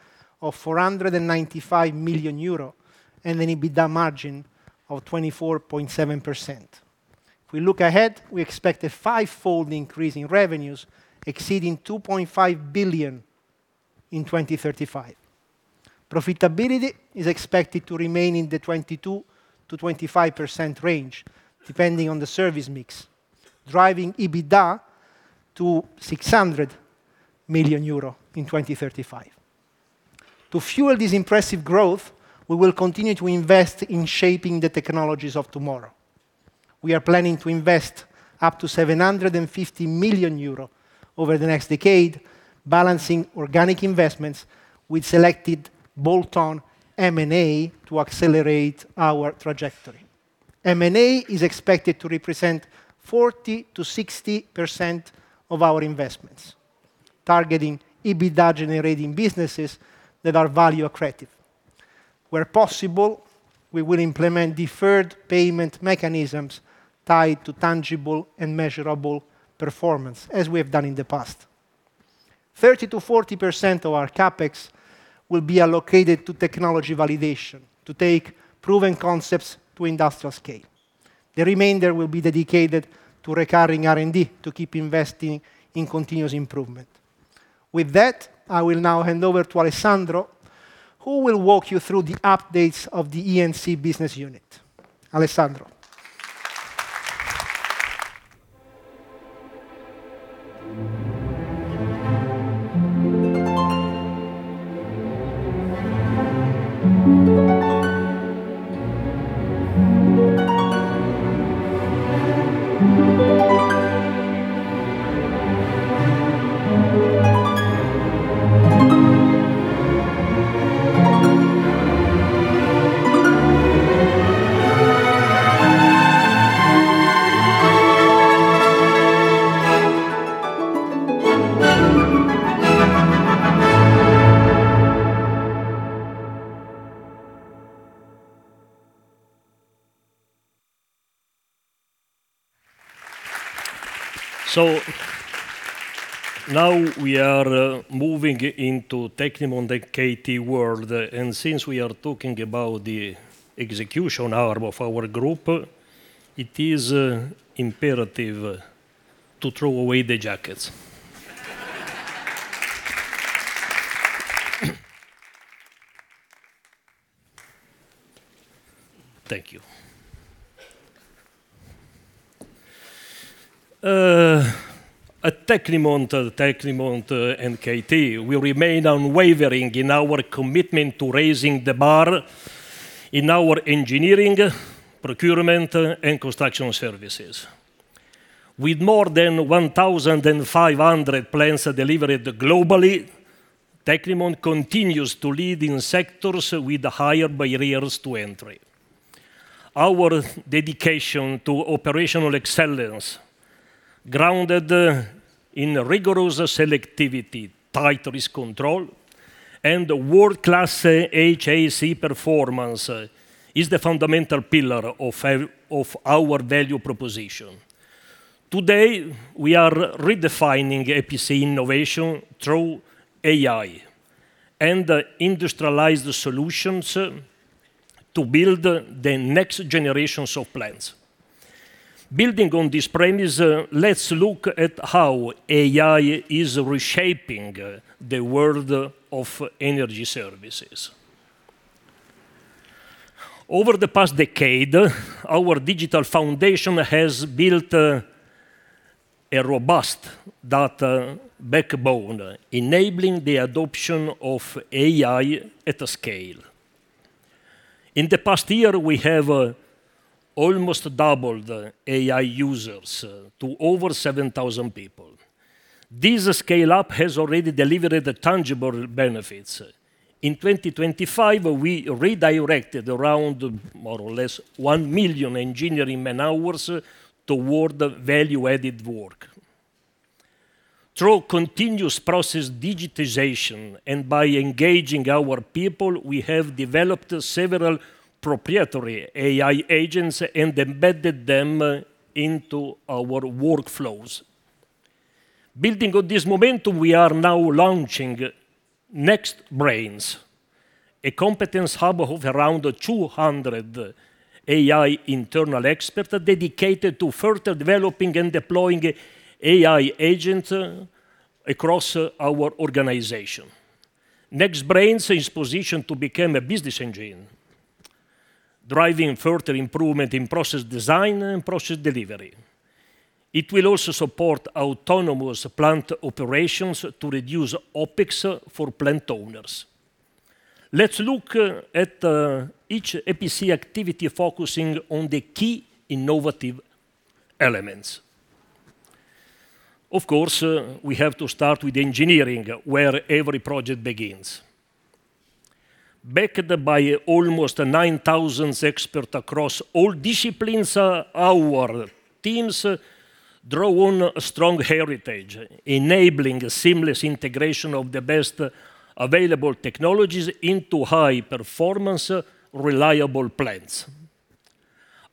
[SPEAKER 5] of 495 million euro and an EBITDA margin of 24.7%. If we look ahead, we expect a fivefold increase in revenues exceeding 2.5 billion in 2035. Profitability is expected to remain in the 22%-25% range, depending on the service mix, driving EBITDA to 600 million euro in 2035. To fuel this impressive growth, we will continue to invest in shaping the technologies of tomorrow. We are planning to invest up to 750 million euros over the next decade, balancing organic investments with selected bolt-on M&A to accelerate our trajectory. M&A is expected to represent 40%-60% of our investments, targeting EBITDA-generating businesses that are value accretive. Where possible, we will implement deferred payment mechanisms tied to tangible and measurable performance, as we have done in the past. 30%-40% of our CapEx will be allocated to technology validation to take proven concepts to industrial scale. The remainder will be dedicated to recurring R&D to keep investing in continuous improvement. With that, I will now hand over to Alessandro, who will walk you through the updates of the E&C business unit. Alessandro.
[SPEAKER 3] Now we are moving into Tecnimont world. Since we are talking about the execution arm of our group, it is imperative to throw away the jackets. Thank you. At Tecnimont, we remain unwavering in our commitment to raising the bar in our engineering, procurement, and construction services. With more than 1,500 plants delivered globally, Tecnimont continues to lead in sectors with higher barriers to entry. Our dedication to operational excellence, grounded in rigorous selectivity, tight risk control, and world-class HSE performance, is the fundamental pillar of our value proposition. Today, we are redefining EPC innovation through AI and industrialized solutions to build the next generations of plants. Building on this premise, let's look at how AI is reshaping the world of energy services. Over the past decade, our digital foundation has built a robust data backbone, enabling the adoption of AI at scale. In the past year, we have almost doubled AI users to over 7,000 people. This scale-up has already delivered tangible benefits. In 2025, we redirected around, more or less, 1 million engineering man-hours toward value-added work. Through continuous process digitization and by engaging our people, we have developed several proprietary AI agents and embedded them into our workflows. Building on this momentum, we are now launching Next-Brain is a competence hub of around 200 AI internal experts dedicated to further developing and deploying AI agent across our organization. Next-Brain is positioned to become a business engine, driving further improvement in process design and process delivery. It will also support autonomous plant operations to reduce OPEX for plant owners. Let's look at each EPC activity focusing on the key innovative elements. We have to start with engineering, where every project begins. Backed by almost 9,000 experts across all disciplines, our teams draw on a strong heritage, enabling seamless integration of the best available technologies into high-performance, reliable plants.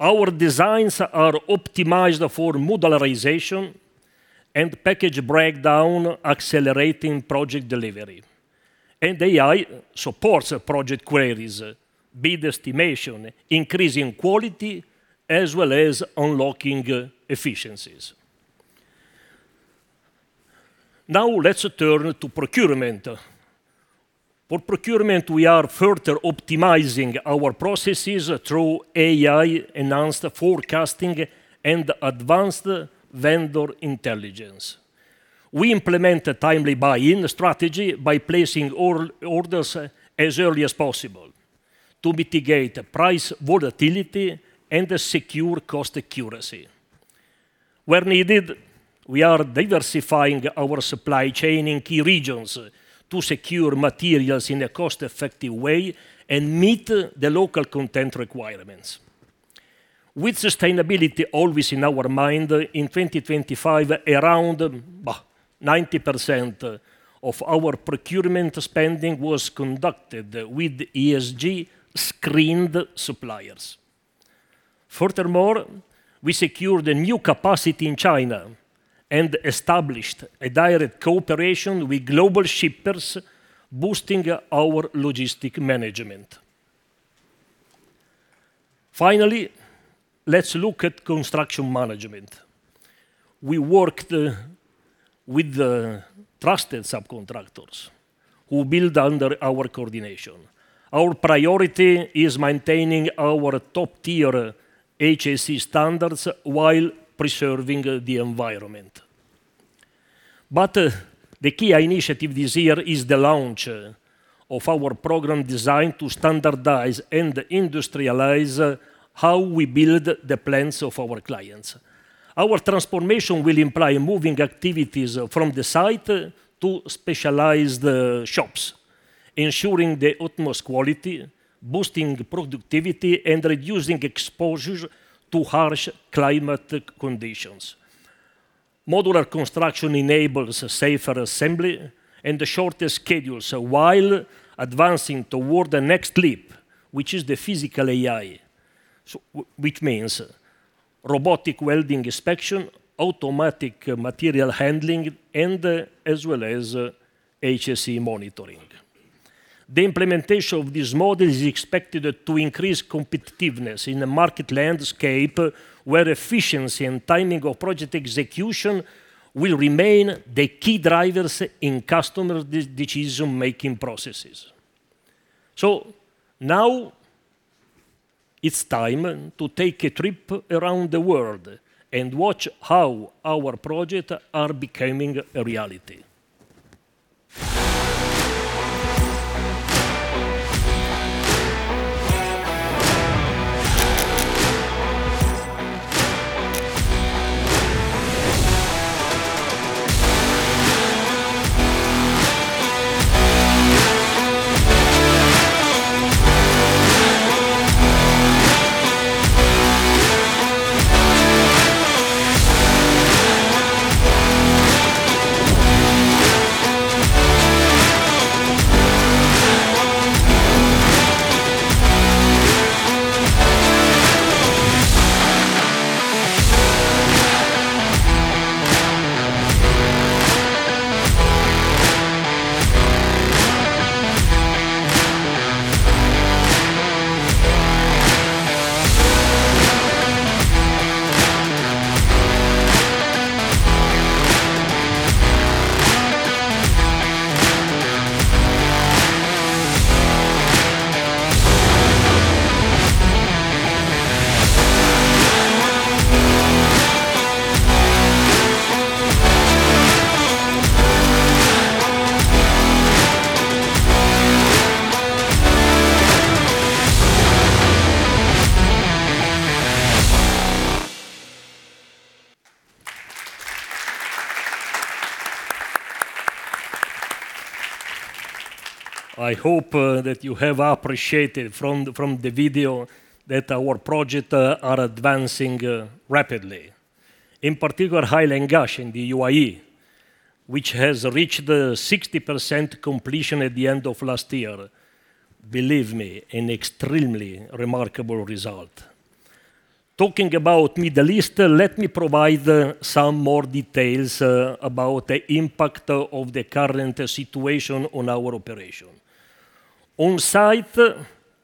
[SPEAKER 3] Our designs are optimized for modularization and package breakdown, accelerating project delivery. AI supports project queries, bid estimation, increasing quality, as well as unlocking efficiencies. Let's turn to procurement. For procurement, we are further optimizing our processes through AI-enhanced forecasting and advanced vendor intelligence. We implement a timely buy-in strategy by placing orders as early as possible to mitigate price volatility and secure cost accuracy. Where needed, we are diversifying our supply chain in key regions to secure materials in a cost-effective way and meet the local content requirements. With sustainability always in our mind, in 2025, around 90% of our procurement spending was conducted with ESG-screened suppliers. Furthermore, we secured a new capacity in China and established a direct cooperation with global shippers, boosting our logistic management. Finally, let's look at construction management. We worked with trusted subcontractors who build under our coordination. Our priority is maintaining our top-tier HSE standards while preserving the environment. The key initiative this year is the launch of our program designed to standardize and industrialize how we build the plans of our clients. Our transformation will imply moving activities from the site to specialized shops, ensuring the utmost quality, boosting productivity, and reducing exposure to harsh climate conditions. Modular construction enables a safer assembly and shorter schedules while advancing toward the next leap, which is the physical AI. Which means robotic welding inspection, automatic material handling, as well as HSE monitoring. The implementation of this model is expected to increase competitiveness in the market landscape, where efficiency and timing of project execution will remain the key drivers in customer decision-making processes. Now it's time to take a trip around the world and watch how our project are becoming a reality. I hope that you have appreciated from the video that our project are advancing rapidly. In particular, Hail and Ghasha in the UAE, which has reached 60% completion at the end of last year. Believe me, an extremely remarkable result. Talking about Middle East, let me provide some more details about the impact of the current situation on our operation. On site,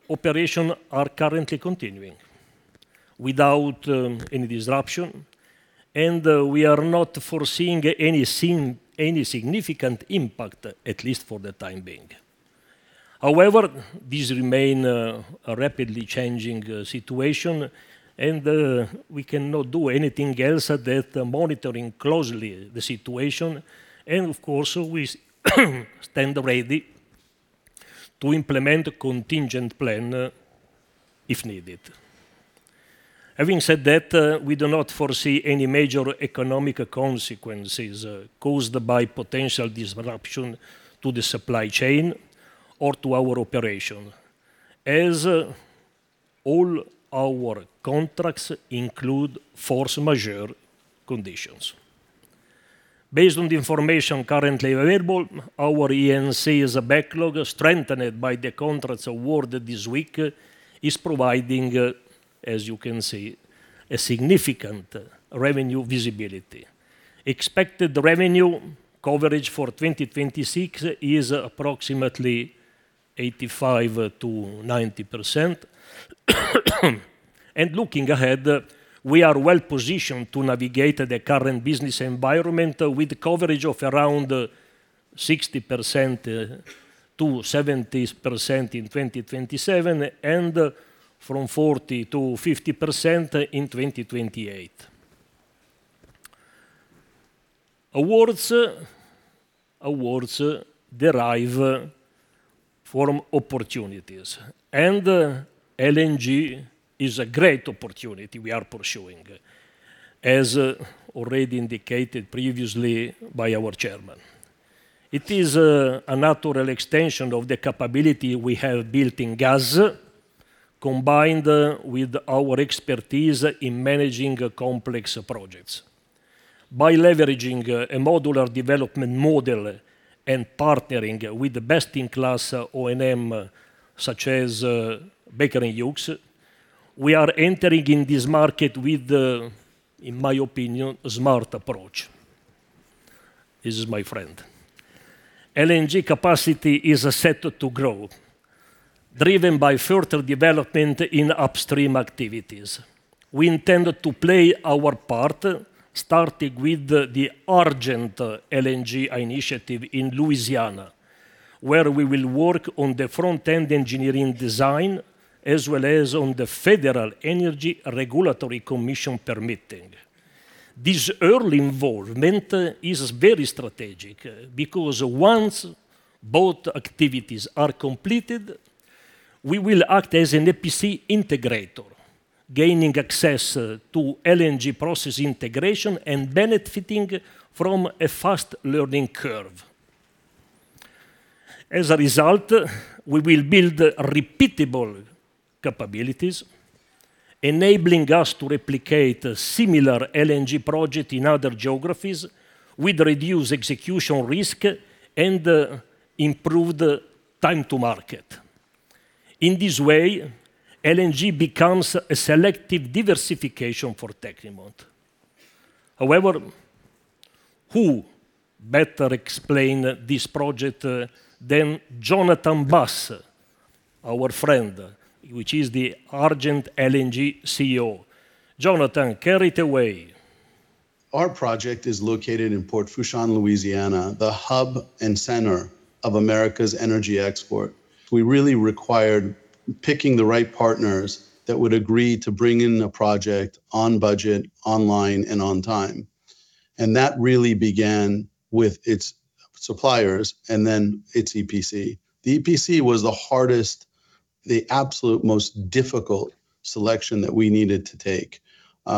[SPEAKER 3] operation are currently continuing without any disruption, and we are not foreseeing any significant impact, at least for the time being. However, this remain a rapidly changing situation and we cannot do anything else than monitoring closely the situation and of course we stand ready to implement a contingent plan if needed. Having said that, we do not foresee any major economic consequences caused by potential disruption to the supply chain or to our operation, as all our contracts include force majeure conditions. Based on the information currently available, our E&C is a backlog strengthened by the contracts award this week is providing, as you can see, a significant revenue visibility. Expected revenue coverage for 2026 is approximately 85%-90%. Looking ahead, we are well positioned to navigate the current business environment with coverage of around 60%-70% in 2027 and from 40%-50% in 2028. Awards derive from opportunities. LNG is a great opportunity we are pursuing, as already indicated previously by our chairman. It is a natural extension of the capability we have built in gas, combined with our expertise in managing complex projects. By leveraging a modular development model and partnering with the best-in-class O&M, such as Baker Hughes, we are entering in this market with, in my opinion, smart approach. This is my friend. LNG capacity is set to grow, driven by further development in upstream activities. We intend to play our part, starting with the Argent LNG initiative in Louisiana, where we will work on the front-end engineering design as well as on the Federal Energy Regulatory Commission permitting. This early involvement is very strategic because once both activities are completed, we will act as an EPC integrator, gaining access to LNG process integration and benefiting from a fast learning curve. As a result, we will build repeatable capabilities, enabling us to replicate a similar LNG project in other geographies with reduced execution risk and improved time to market. In this way, LNG becomes a selective diversification for Tecnimont. Who better explain this project than Jonathan Bass, our friend, which is the Argent LNG CEO. Jonathan, carry it away.
[SPEAKER 10] Our project is located in Port Fourchon, Louisiana, the hub and center of America's energy export. We really required picking the right partners that would agree to bring in a project on budget, online, and on time. That really began with its suppliers and then its EPC. The EPC was the hardest, the absolute most difficult selection that we needed to take.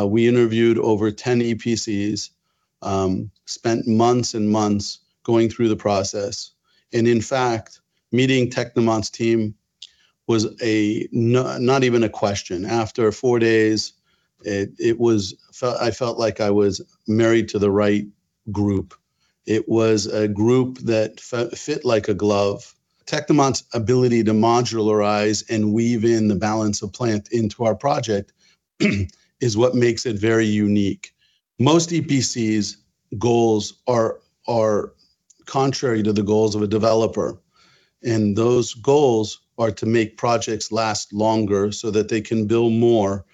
[SPEAKER 10] We interviewed over 10 EPCs, spent months and months going through the process. In fact, meeting Tecnimont's team was not even a question. After four days, it was felt I felt like I was married to the right group. It was a group that fit like a glove. Tecnimont's ability to modularize and weave in the balance of plant into our project is what makes it very unique. Most EPCs goals are contrary to the goals of a developer, and those goals are to make projects last longer so that they can build more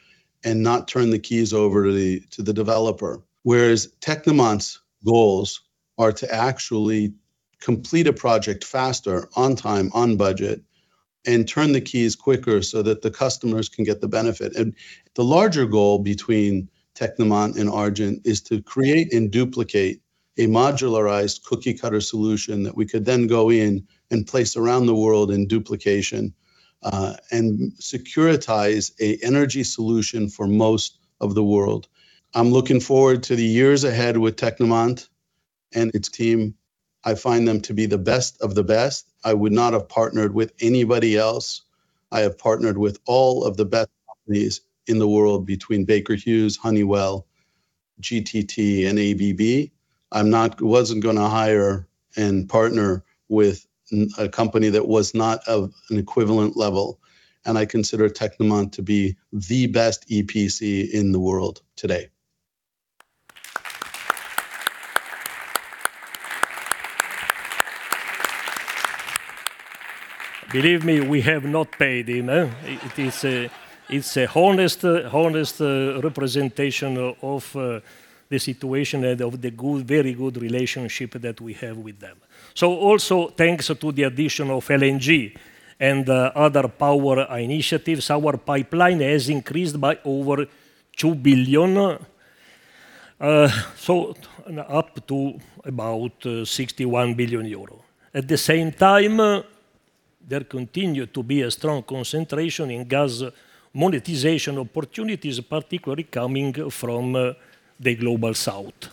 [SPEAKER 10] and not turn the keys over to the developer. Whereas Tecnimont's goals are to actually complete a project faster, on time, on budget, and turn the keys quicker so that the customers can get the benefit. The larger goal between Tecnimont and Argent is to create and duplicate a modularized cookie-cutter solution that we could then go in and place around the world in duplication and securitize a energy solution for most of the world. I'm looking forward to the years ahead with Tecnimont and its team. I find them to be the best of the best. I would not have partnered with anybody else. I have partnered with all of the best companies in the world, between Baker Hughes, Honeywell, GTT, and ABB. I wasn't gonna hire and partner with a company that was not of an equivalent level, and I consider Tecnimont to be the best EPC in the world today.
[SPEAKER 3] Believe me, we have not paid him, eh? It is a, it's a honest representation of the situation and of the good, very good relationship that we have with them. Also, thanks to the addition of LNG and other power initiatives, our pipeline has increased by over 2 billion. Up to about 61 billion euro. At the same time, there continue to be a strong concentration in gas monetization opportunities, particularly coming from the Global South.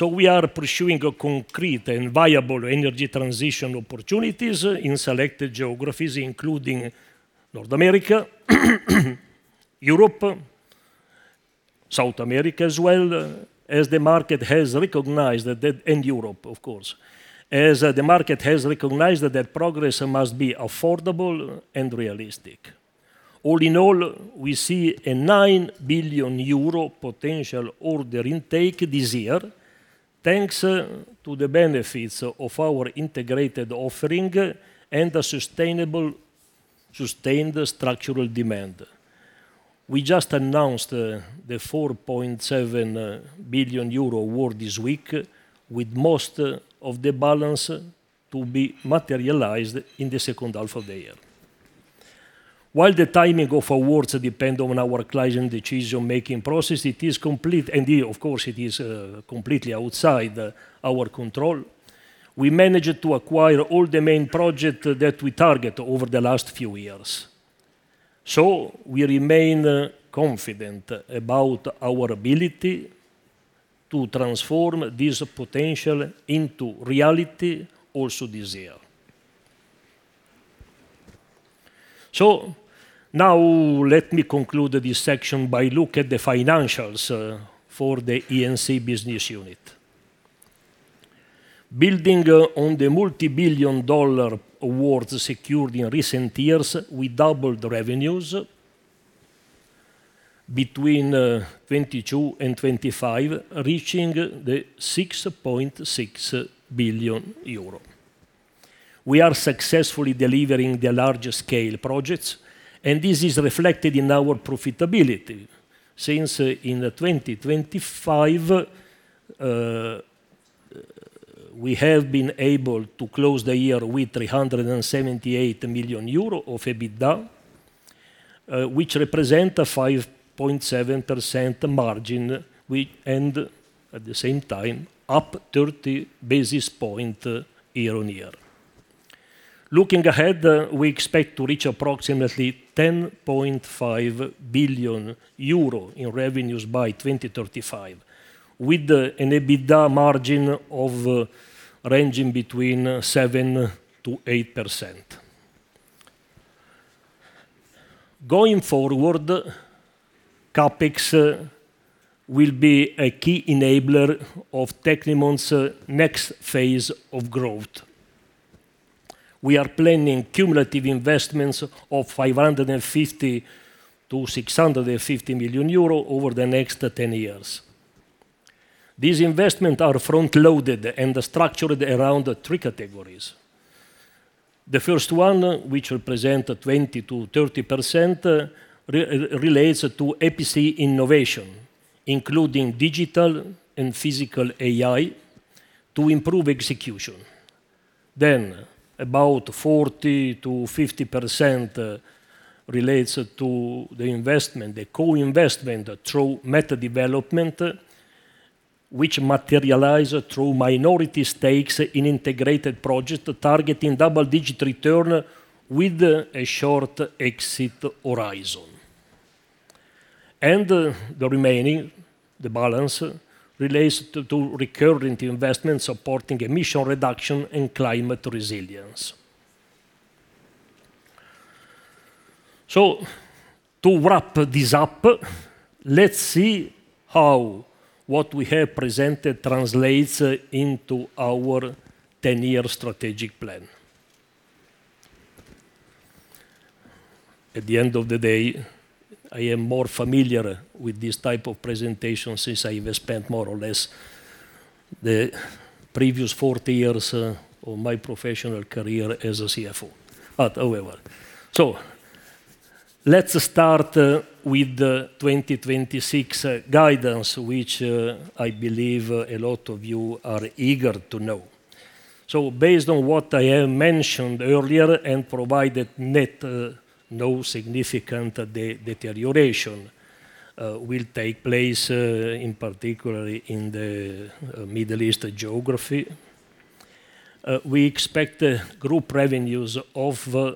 [SPEAKER 3] We are pursuing a concrete and viable energy transition opportunities in selected geographies including North America, Europe, South America as well, as the market has recognized that. Europe, of course. As the market has recognized that progress must be affordable and realistic. All in all, we see a 9 billion euro potential order intake this year, thanks to the benefits of our integrated offering and a sustainable, sustained structural demand. We just announced the 4.7 billion euro award this week, with most of the balance to be materialized in the second half of the year. While the timing of awards depend on our client decision-making process, it is complete, and of course it is completely outside our control. We managed to acquire all the main project that we target over the last few years. We remain confident about our ability to transform this potential into reality also this year. Now let me conclude this section by look at the financials for the E&C business unit. Building on the multi-billion dollar awards secured in recent years, we doubled revenues between 2022 and 2025, reaching 6.6 billion euro. We are successfully delivering the large-scale projects, and this is reflected in our profitability. Since in 2025, we have been able to close the year with EUR 378 million of EBITDA, which represent a 5.7% margin. At the same time, up 30 basis point year-on-year. Looking ahead, we expect to reach approximately 10.5 billion euro in revenues by 2035, with an EBITDA margin of ranging between 7%-8%. Going forward, CapEx will be a key enabler of Tecnimont's next phase of growth. We are planning cumulative investments of 550 million-650 million euro over the next 10 years. These investment are front-loaded and are structured around three categories. The first one, which represent a 20%-30% relates to EPC innovation, including digital and physical AI to improve execution. About 40%-50% relates to the investment, the co-investment through MET Development, which materialize through minority stakes in integrated project targeting double-digit return with a short exit horizon. The remaining, the balance relates to recurrent investment supporting emission reduction and climate resilience. To wrap this up, let's see how what we have presented translates into our 10-year strategic plan. At the end of the day, I am more familiar with this type of presentation since I have spent more or less the previous 40 years of my professional career as a CFO. Oh well. Let's start with the 2026 guidance, which I believe a lot of you are eager to know. Based on what I have mentioned earlier and provided net, no significant deterioration will take place, in particularly in the Middle East geography. We expect group revenues ranging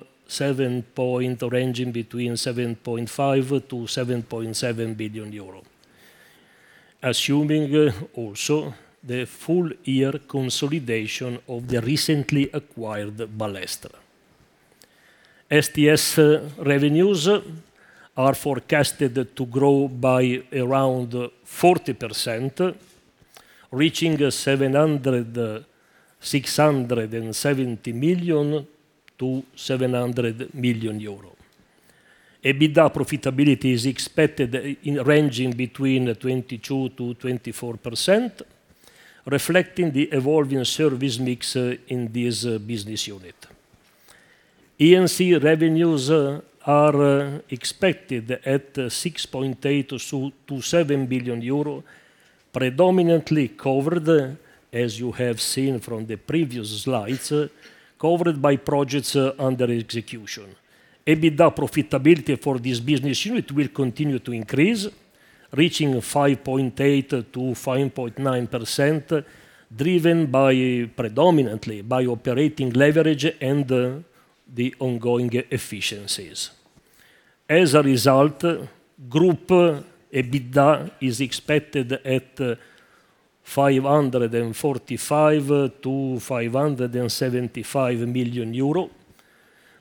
[SPEAKER 3] between 7.5 billion-7.7 billion euro, assuming also the full year consolidation of the recently acquired Ballestra. STS revenues are forecasted to grow by around 40%, reaching 670 million-700 million euro. EBITDA profitability is expected ranging between 22%-24%, reflecting the evolving service mix in this business unit. E&C revenues are expected at 6.8 billion-7 billion euro, predominantly covered, as you have seen from the previous slides, covered by projects under execution. EBITDA profitability for this business unit will continue to increase, reaching 5.8%-5.9%, driven predominantly by operating leverage and the ongoing efficiencies. As a result, group EBITDA is expected at 545 million-575 million euro,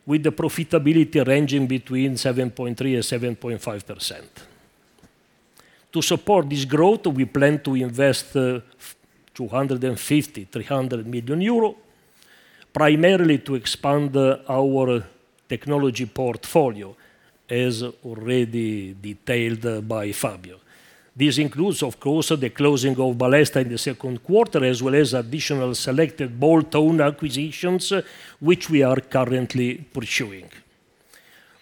[SPEAKER 3] with the profitability ranging between 7.3% and 7.5%. To support this growth, we plan to invest 250 million-300 million euro, primarily to expand our technology portfolio, as already detailed by Fabio. This includes, of course, the closing of Ballestra in the second quarter, as well as additional selected bolt-on acquisitions, which we are currently pursuing.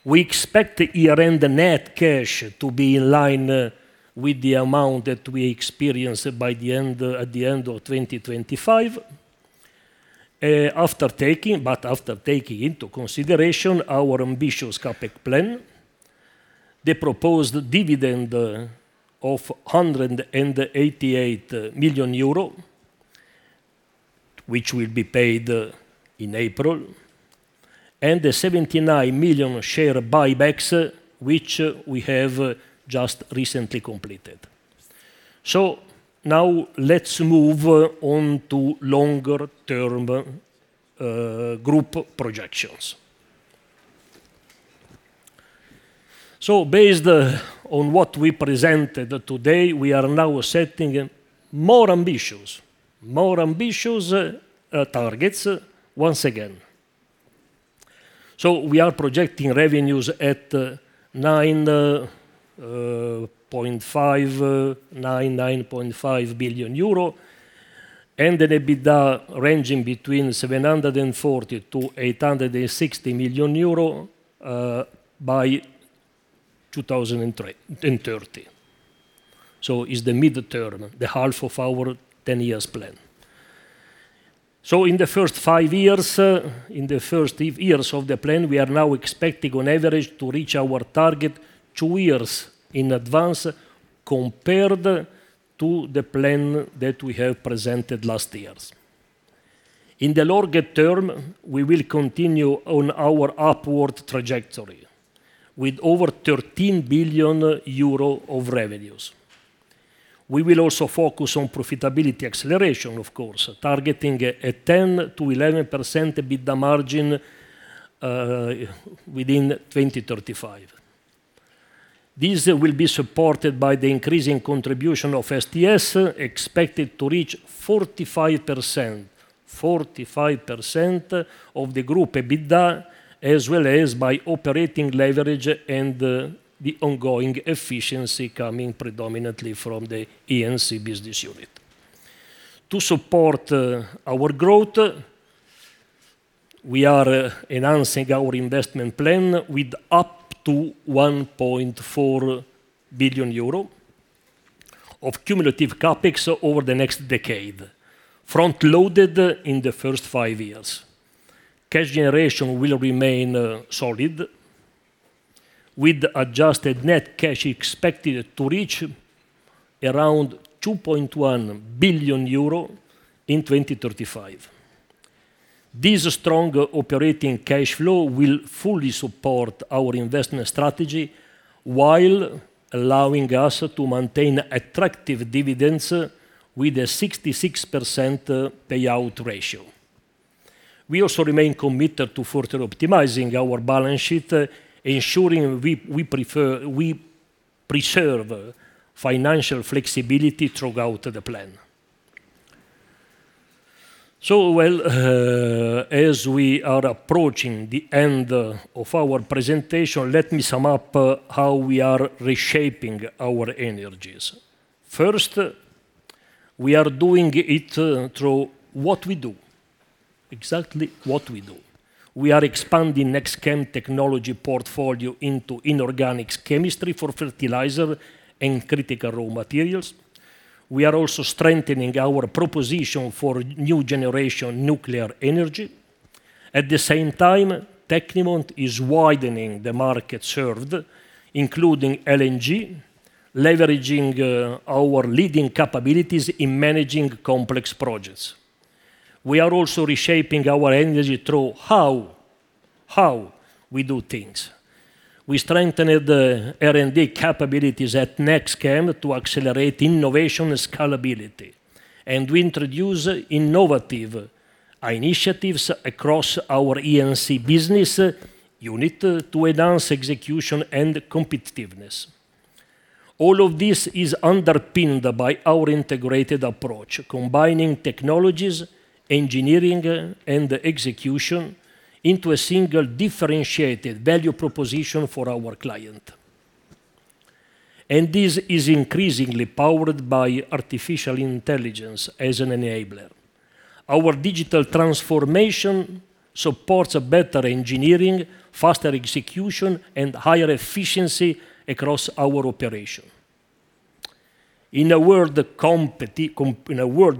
[SPEAKER 3] We expect the year-end net cash to be in line with the amount that we experience by the end at the end of 2025. After taking into consideration our ambitious CapEx plan, the proposed dividend of 188 million euro, which will be paid in April, and the 79 million share buybacks, which we have just recently completed. Now let's move on to longer-term group projections. Based on what we presented today, we are now setting more ambitious targets once again. We are projecting revenues at 9.5 billion euro, and an EBITDA ranging between 740 million-860 million euro by 2030. Is the midterm, the half of our 10-year plan. In the first 5 years, in the first years of the plan, we are now expecting on average to reach our target 2 years in advance compared to the plan that we have presented last years. In the longer term, we will continue on our upward trajectory with over 13 billion euro of revenues. We will also focus on profitability acceleration, of course, targeting a 10%-11% EBITDA margin within 2035. This will be supported by the increasing contribution of STS, expected to reach 45% of the group EBITDA, as well as by operating leverage and the ongoing efficiency coming predominantly from the E&C business unit. To support our growth, we are announcing our investment plan with up to 1.4 billion euro of cumulative CapEx over the next decade, front-loaded in the first five years. Cash generation will remain solid with adjusted net cash expected to reach around 2.1 billion euro in 2035. This strong operating cash flow will fully support our investment strategy while allowing us to maintain attractive dividends with a 66% payout ratio. We also remain committed to further optimizing our balance sheet, ensuring we preserve financial flexibility throughout the plan. Well, as we are approaching the end of our presentation, let me sum up how we are reshaping our energies. First, we are doing it through what we do, exactly what we do. We are expanding NextChem technology portfolio into inorganic chemistry for fertilizer and critical raw materials. We are also strengthening our proposition for new generation nuclear energy. At the same time, Tecnimont is widening the market served, including LNG, leveraging our leading capabilities in managing complex projects. We are also reshaping our energy through how we do things. We strengthen R&D capabilities at NextChem to accelerate innovation scalability, and we introduce innovative initiatives across our E&C business unit to enhance execution and competitiveness. All of this is underpinned by our integrated approach, combining technologies, engineering, and execution into a single differentiated value proposition for our client. This is increasingly powered by artificial intelligence as an enabler. Our digital transformation supports a better engineering, faster execution, and higher efficiency across our operation. In a world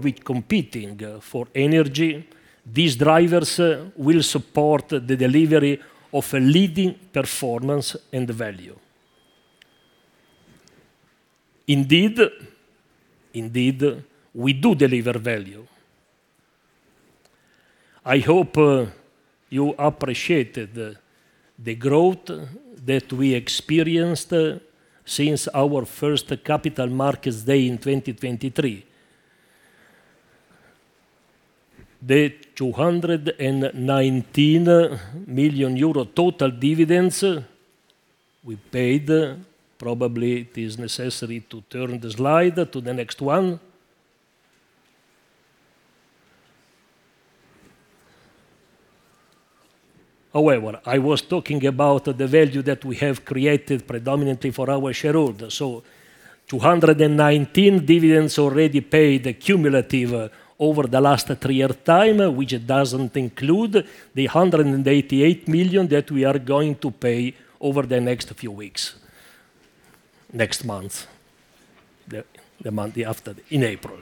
[SPEAKER 3] with competing for energy, these drivers will support the delivery of a leading performance and value. Indeed, we do deliver value. I hope you appreciated the growth that we experienced since our first capital markets day in 2023. The 219 million euro total dividends we paid, probably it is necessary to turn the slide to the next one. Oh, wait. Well, I was talking about the value that we have created predominantly for our shareholder. 219 dividends already paid cumulative over the last three-year time, which doesn't include the 188 million that we are going to pay over the next few weeks, next month, the month after, in April.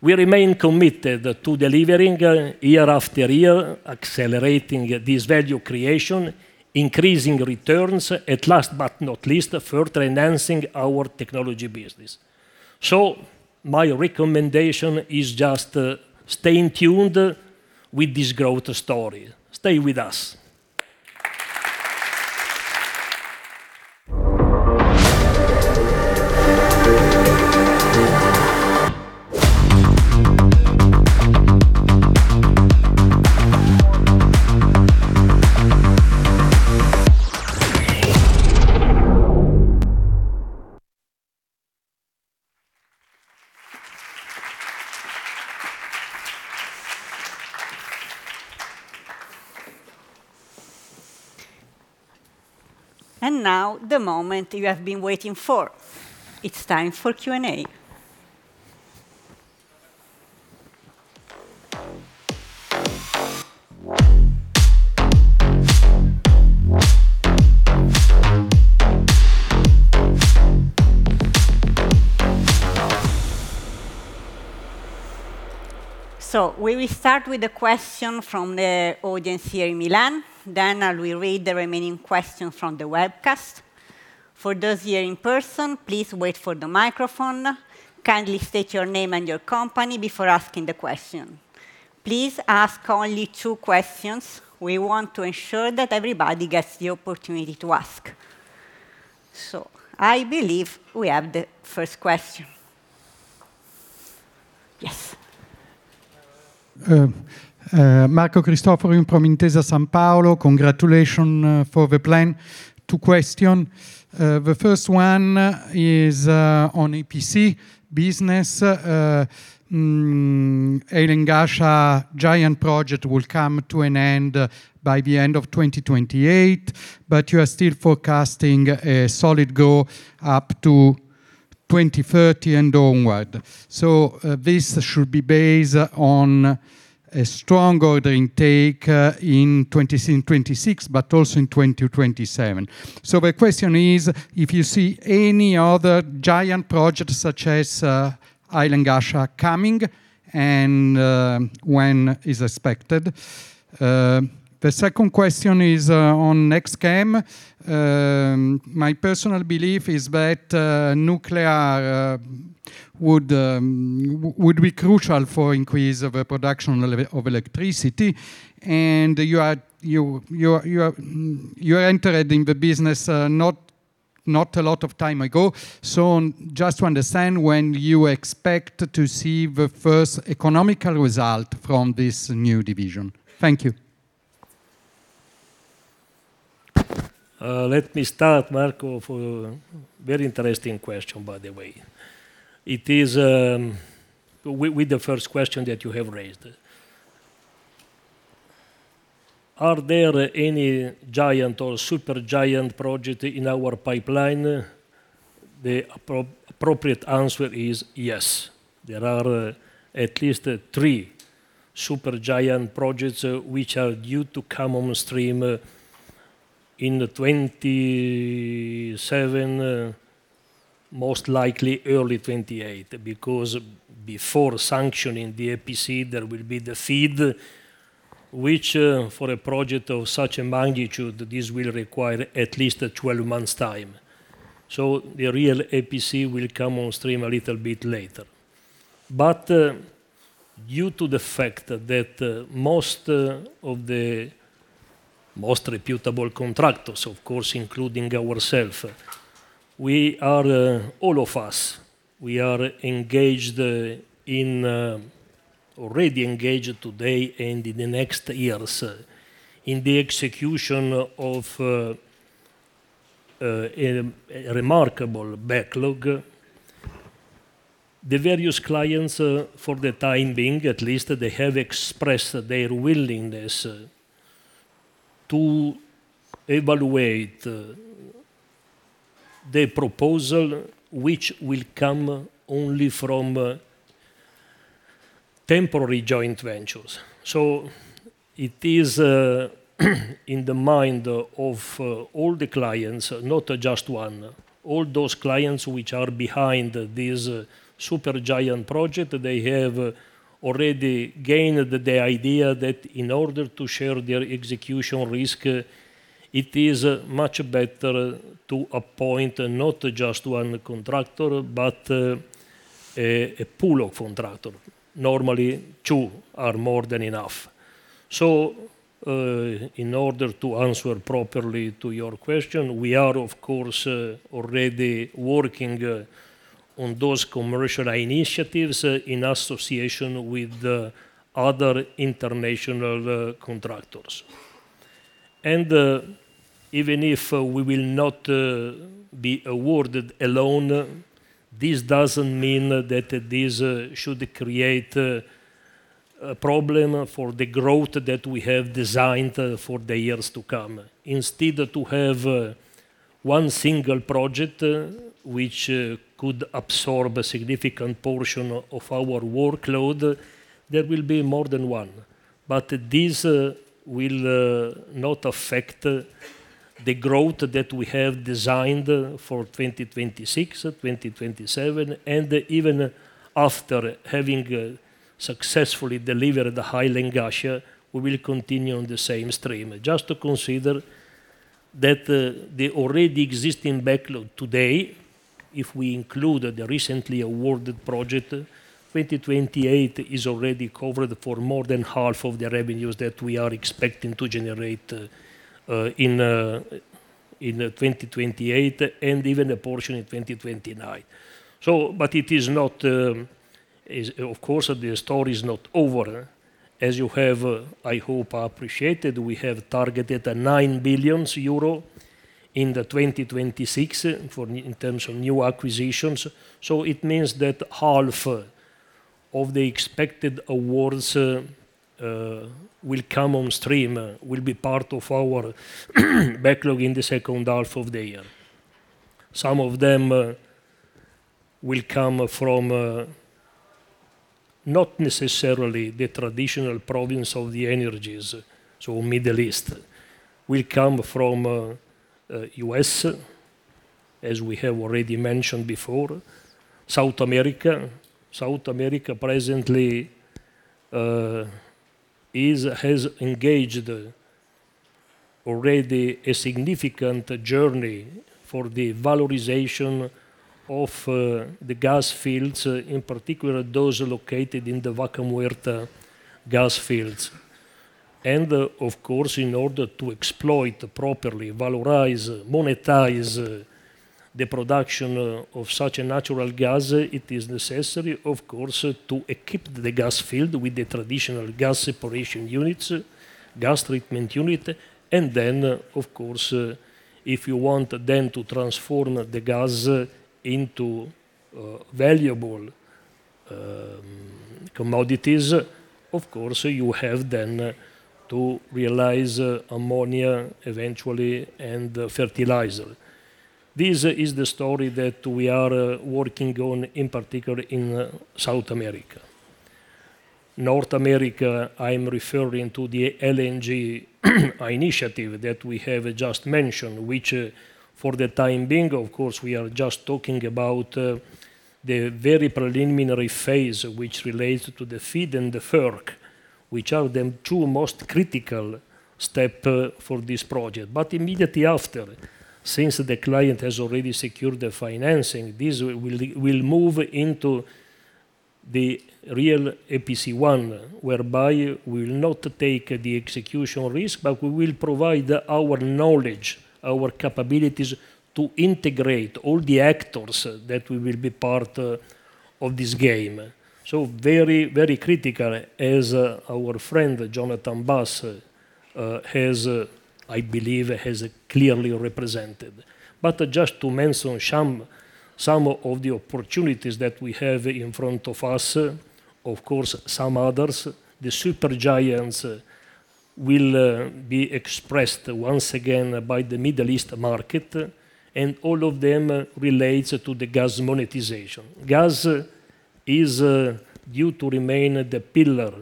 [SPEAKER 3] We remain committed to delivering year after year, accelerating this value creation, increasing returns, and last but not least, further enhancing our technology business. My recommendation is just stay in tune with this growth story. Stay with us.
[SPEAKER 11] Now the moment you have been waiting for. It's time for Q&A. We will start with a question from the audience here in Milan, then I will read the remaining question from the webcast. For those here in person, please wait for the microphone. Kindly state your name and your company before asking the question. Please ask only two questions. We want to ensure that everybody gets the opportunity to ask. I believe we have the first question. Yes.
[SPEAKER 12] Marco Cristofori from Intesa Sanpaolo. Congratulation for the plan. Two question. The first one is on EPC business. Hail and Ghasha giant project will come to an end by the end of 2028, but you are still forecasting a solid go up to 2030 and onward. This should be based on a strong order intake in 2026, but also in 2027. The question is, if you see any other giant project such as Hail and Ghasha coming and when is expected? The second question is on NextChem. My personal belief is that nuclear would be crucial for increase of a production of electricity. You're entering the business not a lot of time ago. Just to understand when you expect to see the first economical result from this new division. Thank you.
[SPEAKER 3] Let me start, Marco, for very interesting question, by the way. It is with the first question that you have raised. Are there any giant or super giant project in our pipeline? The appropriate answer is yes. There are at least three super giant projects which are due to come on stream in 2027, most likely early 2028. Before sanctioning the EPC, there will be the FEED which, for a project of such a magnitude, this will require at least 12 months' time. The real EPC will come on stream a little bit later. Due to the fact that most of the most reputable contractors, of course, including ourself, we are all of us, we are Already engaged today and in the next years, in the execution of a remarkable backlog. The various clients, for the time being, at least, they have expressed their willingness to evaluate the proposal which will come only from temporary joint ventures. It is in the mind of all the clients, not just one, all those clients which are behind this super giant project, they have already gained the idea that in order to share their execution risk, it is much better to appoint not just one contractor, but a pool of contractor. Normally, two are more than enough. In order to answer properly to your question, we are, of course, already working on those commercial initiatives in association with other international contractors. Even if we will not be awarded alone, this doesn't mean that this should create a problem for the growth that we have designed for the years to come. Instead to have one single project which could absorb a significant portion of our workload, there will be more than one. This will not affect the growth that we have designed for 2026, 2027 and even after having successfully delivered the Hail and Ghasha, we will continue on the same stream. Just to consider that the already existing backlog today, if we include the recently awarded project, 2028 is already covered for more than half of the revenues that we are expecting to generate in 2028 and even a portion in 2029. It is not, of course, the story is not over. As you have, I hope appreciated, we have targeted 9 billion euro in 2026 in terms of new acquisitions. It means that half of the expected awards will come on stream, will be part of our backlog in the second half of the year. Some of them will come from not necessarily the traditional province of the energies, so Middle East, will come from the U.S., as we have already mentioned before. South America. South America presently has engaged already a significant journey for the valorization of the gas fields, in particular those located in the Vaca Muerta gas fields. Of course, in order to exploit properly, valorize, monetize, the production of such a natural gas, it is necessary of course, to equip the gas field with the traditional gas separation units, gas treatment unit. Then of course, if you want then to transform the gas into, valuable, commodities, of course, you have then to realize ammonia eventually and fertilizer. This is the story that we are working on, in particular in South America. North America, I am referring to the LNG initiative that we have just mentioned, which, for the time being, of course, we are just talking about, the very preliminary phase which relates to the FEED and the FERC, which are the two most critical step for this project. Immediately after, since the client has already secured the financing, this will move into the real EPC one, whereby we will not take the execution risk, but we will provide our knowledge, our capabilities to integrate all the actors that will be part of this game. Very critical as our friend Jonathan Bass has, I believe, clearly represented. Just to mention some of the opportunities that we have in front of us, of course, some others, the super giants will be expressed once again by the Middle East market, and all of them relates to the gas monetization. Gas is due to remain the pillar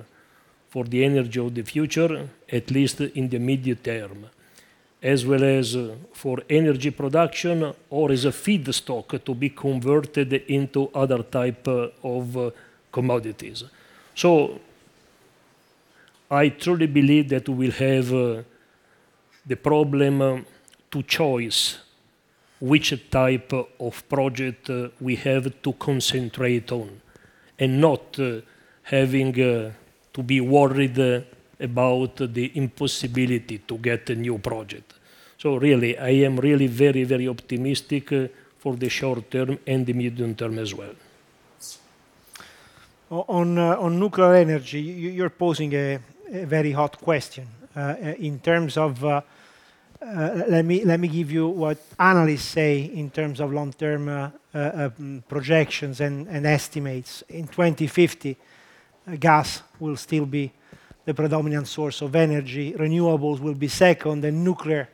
[SPEAKER 3] for the energy of the future, at least in the medium term, as well as for energy production or as a feedstock to be converted into other type of commodities. I truly believe that we'll have, the problem, to choice which type of project, we have to concentrate on and not To be worried, about the impossibility to get a new project. Really, I am really very, very optimistic, for the short term and the medium term as well.
[SPEAKER 5] On nuclear energy, you're posing a very hot question. In terms of, let me give you what analysts say in terms of long-term projections and estimates. In 2050, gas will still be the predominant source of energy. Renewables will be second, and nuclear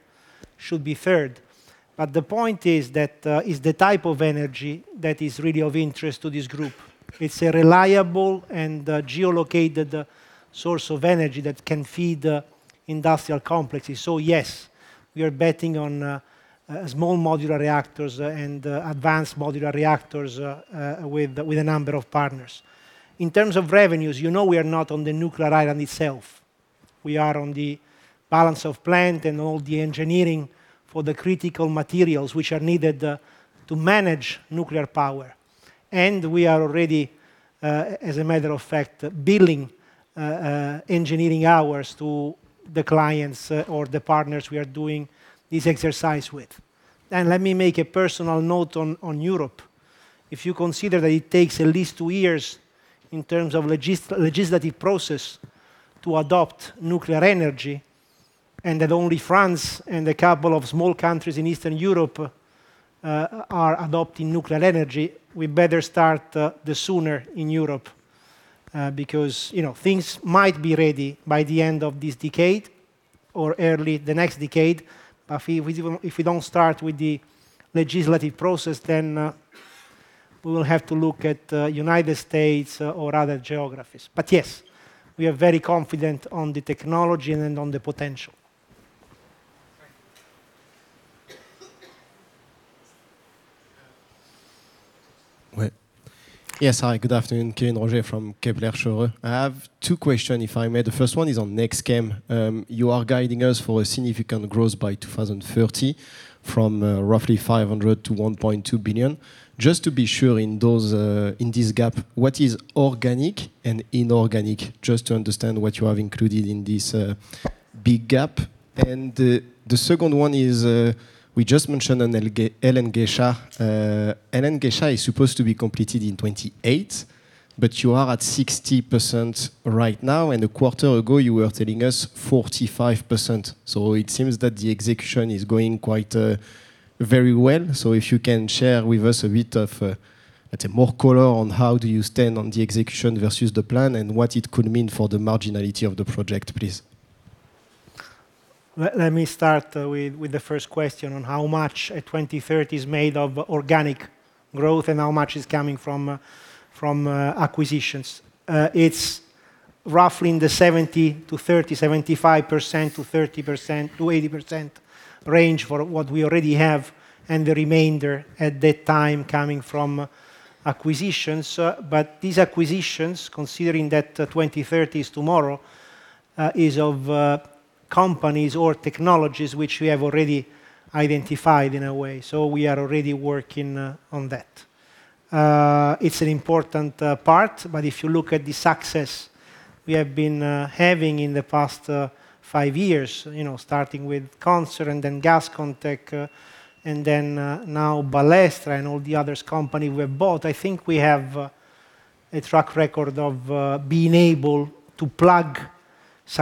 [SPEAKER 5] should be third. The point is that is the type of energy that is really of interest to this group. It's a reliable and geolocated source of energy that can feed industrial complexes. Yes, we are betting on small modular reactors and advanced modular reactors with a number of partners. In terms of revenues, you know we are not on the nuclear island itself. We are on the balance of plant and all the engineering for the critical materials which are needed to manage nuclear power. We are already, as a matter of fact, billing engineering hours to the clients or the partners we are doing this exercise with. Let me make a personal note on Europe. If you consider that it takes at least two years in terms of legislative process to adopt nuclear energy, that only France and a couple of small countries in Eastern Europe are adopting nuclear energy, we better start the sooner in Europe. You know, things might be ready by the end of this decade or early the next decade. If we, if we don't start with the legislative process, we will have to look at United States or other geographies. Yes, we are very confident on the technology and on the potential.
[SPEAKER 13] Yes. Hi, good afternoon. Kevin Roger from Kepler Cheuvreux. I have two question, if I may. The first one is on NextChem. You are guiding us for a significant growth by 2030 from roughly 500 to 1.2 billion. Just to be sure in those in this gap, what is organic and inorganic? Just to understand what you have included in this big gap. The second one is we just mentioned on Hail and Ghasha. Hail and Ghashais supposed to be completed in 2028, but you are at 60% right now, and a quarter ago you were telling us 45%. It seems that the execution is going quite very well. If you can share with us a bit of, let's say, more color on how do you stand on the execution versus the plan and what it could mean for the marginality of the project, please.
[SPEAKER 5] Let me start with the first question on how much 2030 is made of organic growth and how much is coming from acquisitions. It's roughly in the 70-30, 75% to 30% to 80% range for what we already have and the remainder at that time coming from acquisitions. But these acquisitions, considering that 2030 is tomorrow, is of companies or technologies which we have already identified in a way. We are already working on that. transcript of a speech given by a CEO at a recent conference. **CEO:** Good morning, everyone. It's a pleasure to be here today to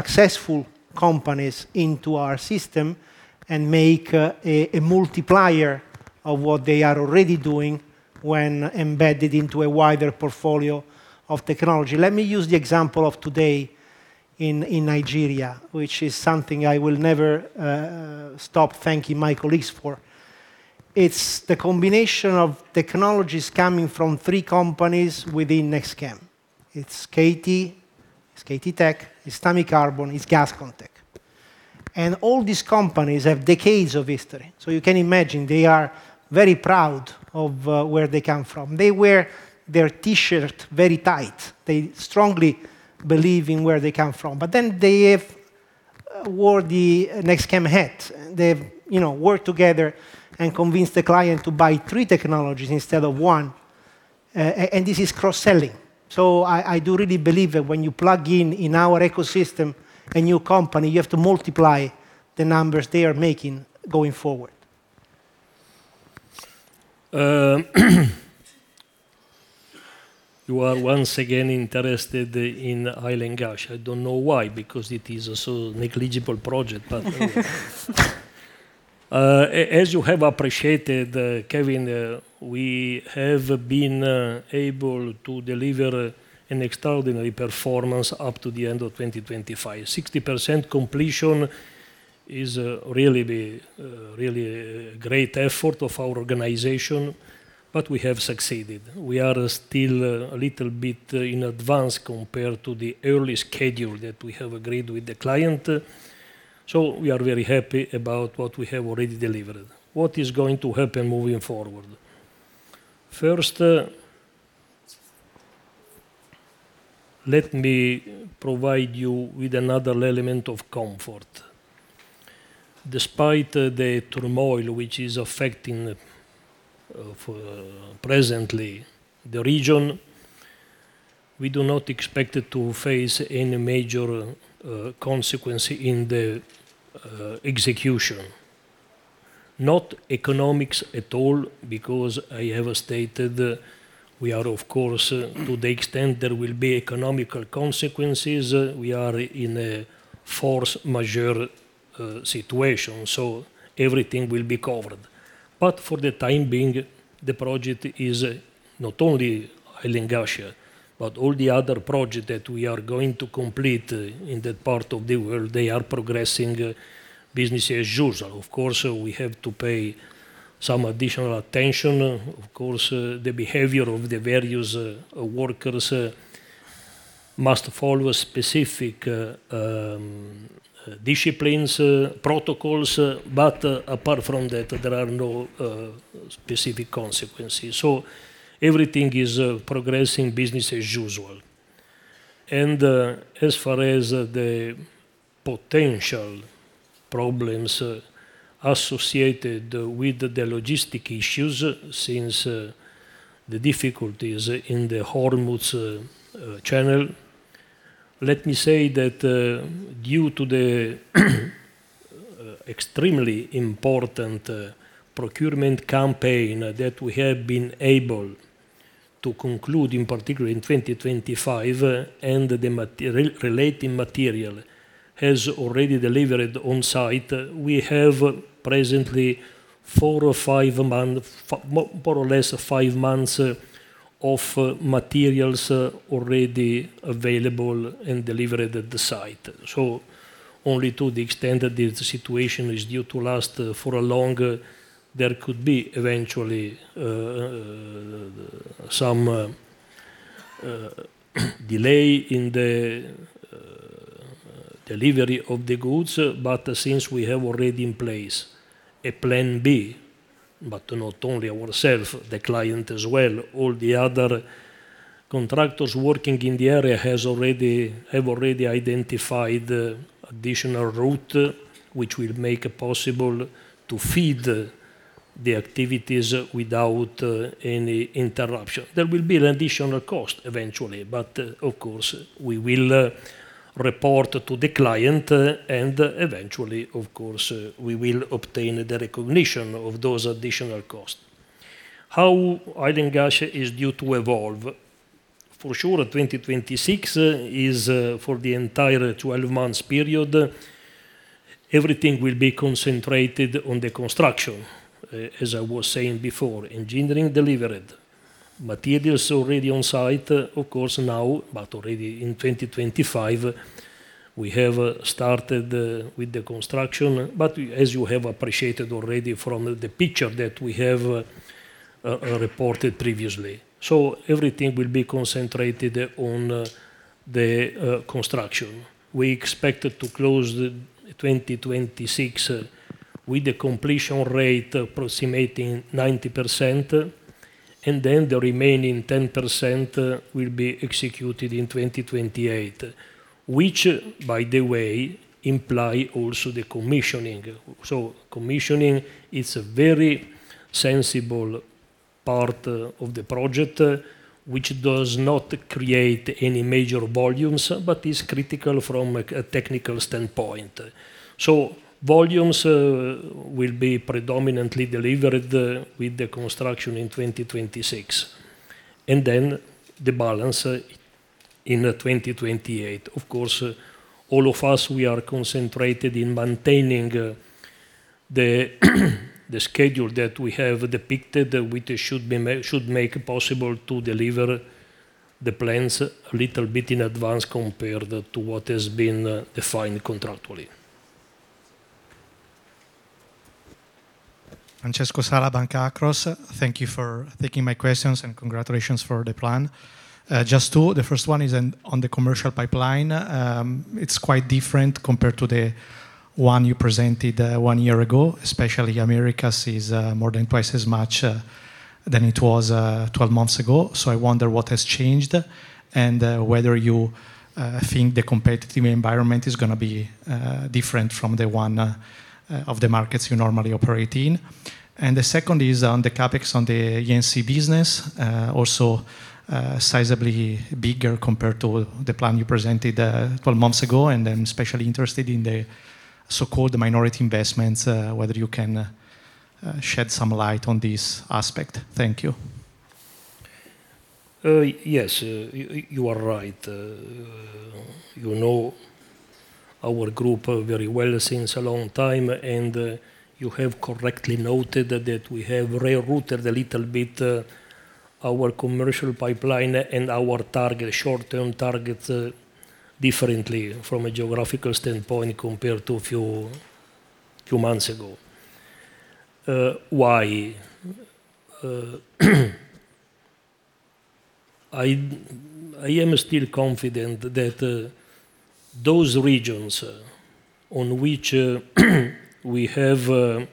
[SPEAKER 5] share some insights into our company's journey and vision for the future. Over the past year, we've seen unprecedented shifts in the global landscape, from technological advancements to evolving consumer behaviors. These changes, while challenging, have also presented immense opportunities for innovation and growth. Our team has embraced these challenges head-on, demonstrating remarkable resilience and adaptability. We've made significant strides in several key areas. Firstly, our commitment to research and development has led to the launch of three groundbreaking products that are already disrupting their respective cross-selling. I do really believe that when you plug in our ecosystem a new company, you have to multiply the numbers they are making going forward.
[SPEAKER 3] You are once again interested in Elengy. I don't know why, because it is a so negligible project, anyway. As you have appreciated, Kevin, we have been able to deliver an extraordinary performance up to the end of 2025. 60% completion is really the really great effort of our organization, we have succeeded. We are still a little bit in advance compared to the early schedule that we have agreed with the client, we are very happy about what we have already delivered. What is going to happen moving forward? First, let me provide you with another element of comfort. Despite the turmoil which is affecting for presently the region, we do not expect it to face any major consequence in the execution. Not economics at all because I have stated we are of course, to the extent there will be economical consequences, we are in a force majeure situation. Everything will be covered. For the time being, the project is not only Island Gas, but all the other project that we are going to complete in that part of the world, they are progressing business as usual. Of course, we have to pay some additional attention. Of course, the behavior of the various workers must follow specific disciplines, protocols, but apart from that, there are no specific consequences. Everything is progressing business as usual. As far as the potential problems associated with the logistic issues since the difficulties in the Hormuz channel, let me say that due to the extremely important procurement campaign that we have been able to conclude, in particular in 2025, and the relating material has already delivered on site, we have presently four or five month, more or less five months of materials already available and delivered at the site. Only to the extent that the situation is due to last for a long, there could be eventually some delay in the delivery of the goods. Since we have already in place a plan B, not only ourself, the client as well, all the other contractors working in the area have already identified additional route which will make it possible to feed the activities without any interruption. There will be an additional cost eventually, of course, we will report to the client and eventually, of course, we will obtain the recognition of those additional costs. How Hail and Ghasha is due to evolve? For sure, 2026 is for the entire 12 months period, everything will be concentrated on the construction. As I was saying before, engineering delivered. Materials already on site, of course now, already in 2025, we have started with the construction. As you have appreciated already from the picture that we have reported previously. Everything will be concentrated on the construction. We expect to close the 2026 with the completion rate approximating 90%, and then the remaining 10% will be executed in 2028, which by the way, imply also the commissioning. Commissioning is a very sensible part of the project, which does not create any major volumes, but is critical from a technical standpoint. Volumes will be predominantly delivered with the construction in 2026, and then the balance in the 2028. Of course, all of us, we are concentrated in maintaining the schedule that we have depicted, which should make it possible to deliver the plans a little bit in advance compared to what has been defined contractually.
[SPEAKER 14] Francesco Sala, Banca Akros. Thank you for taking my questions and congratulations for the plan. Just two. The first one is on the commercial pipeline. It's quite different compared to the one you presented one year ago, especially America sees more than twice as much than it was 12 months ago. So I wonder what has changed and whether you think the competitive environment is going to be different from the one of the markets you normally operate in. The second is on the CAPEX on the E&C business, also sizably bigger compared to the plan you presented 12 months ago. I'm especially interested in the so-called minority investments, whether you can shed some light on this aspect. Thank you.
[SPEAKER 3] Yes, you are right. You know our group very well since a long time, and you have correctly noted that we have rerouted a little bit, our commercial pipeline and our target, short-term target, differently from a geographical standpoint compared to a few months ago. Why? I am still confident that those regions on which we have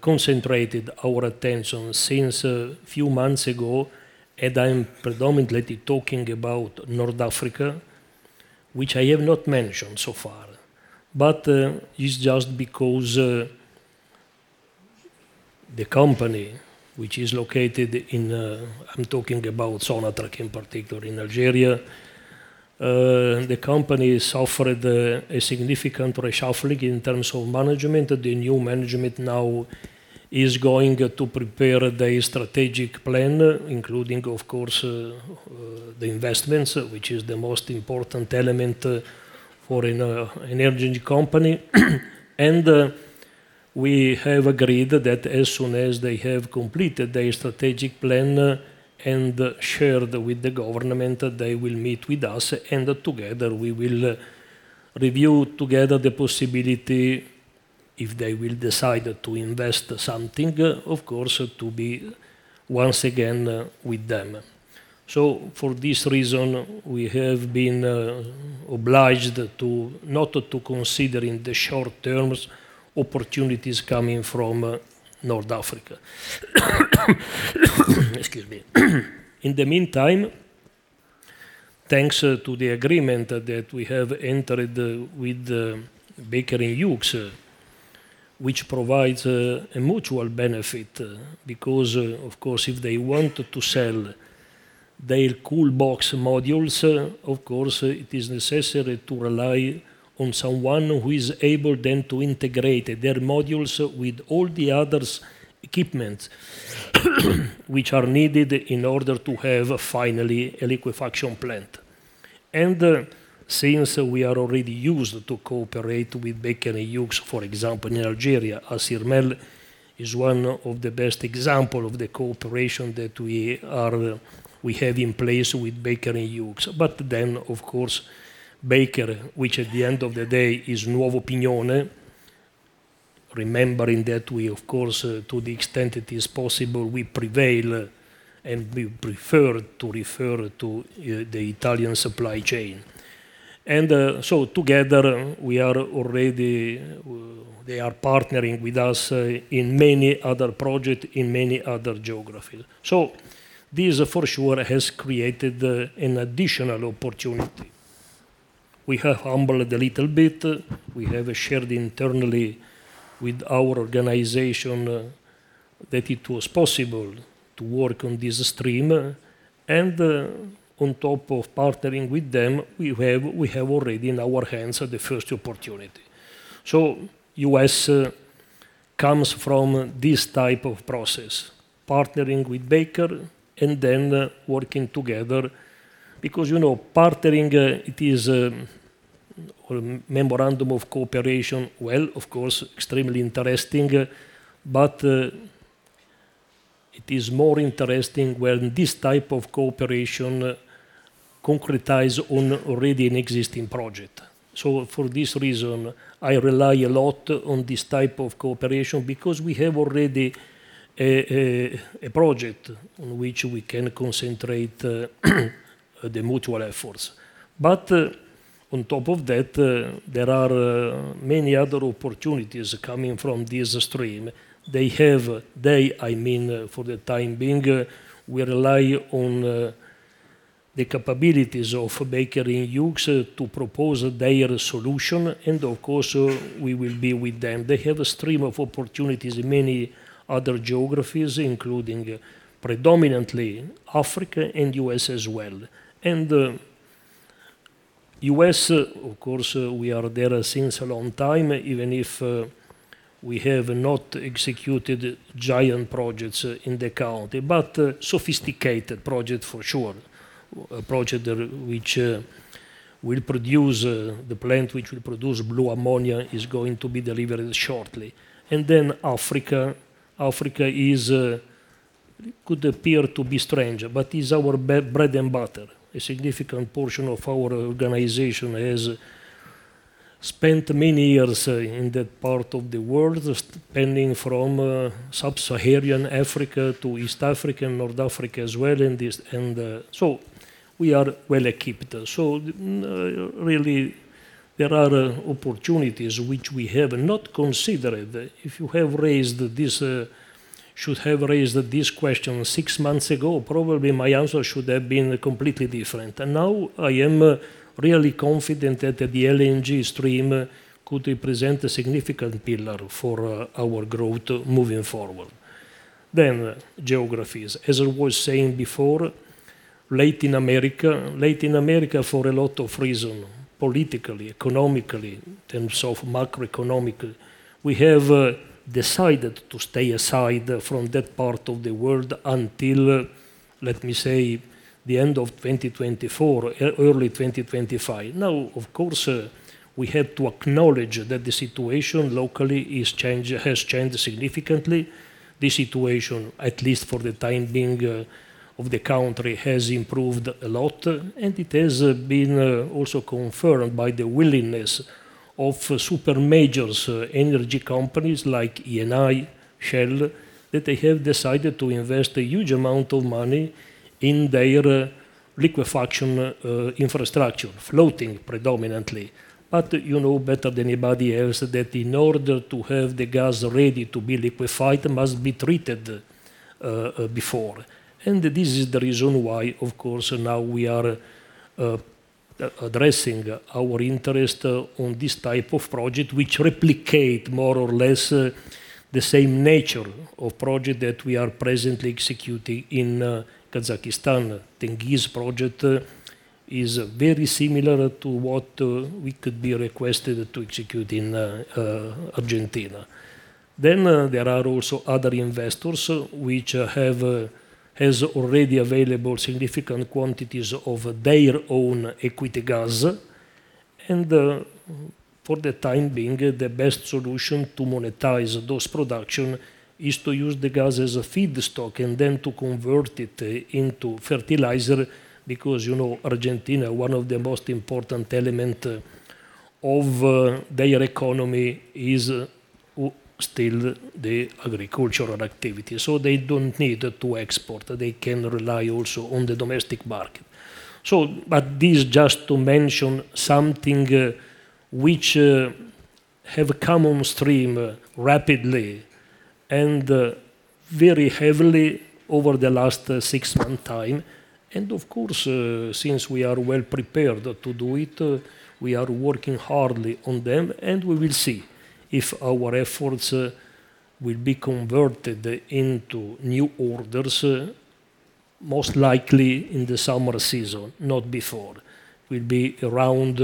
[SPEAKER 3] concentrated our attention since a few months ago, and I'm predominantly talking about North Africa, which I have not mentioned so far. It's just because the company which is located in. I'm talking about SONATRACH in particular, in Algeria. The company suffered a significant reshuffling in terms of management. The new management now is going to prepare the strategic plan, including, of course, the investments, which is the most important element, for an energy company. We have agreed that as soon as they have completed their strategic plan and shared with the government, they will meet with us, and together we will review together the possibility, if they will decide to invest something, of course, to be once again with them. For this reason, we have been obliged to not to consider in the short terms opportunities coming from North Africa. Excuse me. In the meantime, thanks to the agreement that we have entered with Baker Hughes, which provides a mutual benefit, because of course, if they want to sell their cold box modules, of course, it is necessary to rely on someone who is able then to integrate their modules with all the others equipment which are needed in order to have finally a liquefaction plant. Since we are already used to cooperate with Baker Hughes, for example, in Algeria, as Hassi R’Mel is one of the best example of the cooperation that we have in place with Baker Hughes. Of course, Baker, which at the end of the day is Nuovo Pignone, remembering that we, of course, to the extent it is possible, we prevail and we prefer to refer to the Italian supply chain. Together we are already, they are partnering with us, in many other project, in many other geographies. This for sure has created an additional opportunity. We have humbled a little bit. We have shared internally with our organization that it was possible to work on this stream. On top of partnering with them, we have already in our hands the first opportunity. U.S. comes from this type of process, partnering with Baker and then working together. Because, you know, partnering, it is, or memorandum of cooperation, well, of course, extremely interesting, but it is more interesting when this type of cooperation concretize on already an existing project. For this reason, I rely a lot on this type of cooperation because we have already a project on which we can concentrate the mutual efforts. On top of that, there are many other opportunities coming from this stream. They, I mean, for the time being, we rely on the capabilities of Baker Hughes to propose their solution, and of course, we will be with them. They have a stream of opportunities in many other geographies, including predominantly Africa and U.S. as well. U.S., of course, we are there since a long time, even if we have not executed giant projects in the county, but sophisticated project for sure. A project which will produce the plant which will produce blue ammonia is going to be delivered shortly. Africa. Africa is, could appear to be strange, but is our bread and butter. A significant portion of our organization has spent many years in that part of the world, depending from Sub-Saharan Africa to East Africa, North Africa as well, and this. We are well equipped. Really there are opportunities which we have not considered. If you have raised this, should have raised this question six months ago, probably my answer should have been completely different. Now I am really confident that the LNG stream could represent a significant pillar for our growth moving forward. Geographies. As I was saying before, Latin America. Latin America, for a lot of reason, politically, economically, in terms of macroeconomic, we have decided to stay aside from that part of the world until, let me say, the end of 2024, early 2025. Of course, we have to acknowledge that the situation locally has changed significantly. The situation, at least for the time being, of the country, has improved a lot, and it has been also confirmed by the willingness of super majors, energy companies like Eni, Shell, that they have decided to invest a huge amount of money in their Liquefaction infrastructure. Floating predominantly. You know better than anybody else that in order to have the gas ready to be liquefied, must be treated before. This is the reason why, of course, now we are addressing our interest on this type of project, which replicate more or less the same nature of project that we are presently executing in Kazakhstan. Tengiz project is very similar to what we could be requested to execute in Argentina. There are also other investors which have, has already available significant quantities of their own equity gas. For the time being, the best solution to monetize those production is to use the gas as a feedstock and then to convert it into fertilizer, because, you know, Argentina, one of the most important element of their economy is still the agricultural activity. They don't need to export. They can rely also on the domestic market. This just to mention something which have come on stream rapidly and very heavily over the last six-month time. Of course, since we are well prepared to do it, we are working hardly on them, and we will see if our efforts will be converted into new orders most likely in the summer season, not before. Will be around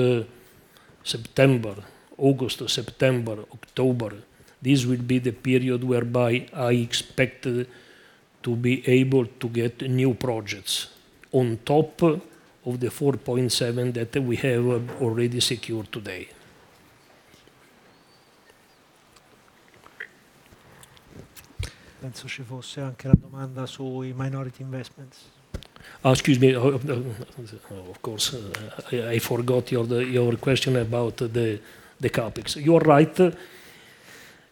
[SPEAKER 3] September. August or September, October. This will be the period whereby I expect to be able to get new projects on top of the 4.7 billion that we have already secured today. Excuse me. Of course, I forgot your question about the CapEx. You are right.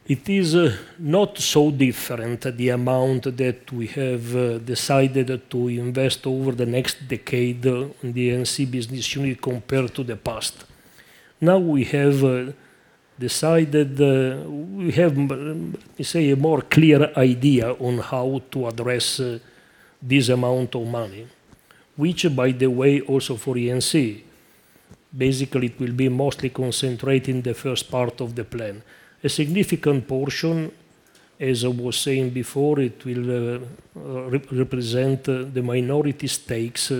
[SPEAKER 3] It is not so different, the amount that we have decided to invest over the next decade in the E&C business unit compared to the past. Now we have decided, we have, say, a more clear idea on how to address this amount of money, which by the way, also for E&C, basically it will be mostly concentrating the first part of the plan. A significant portion, as I was saying before, it will represent the minority stakes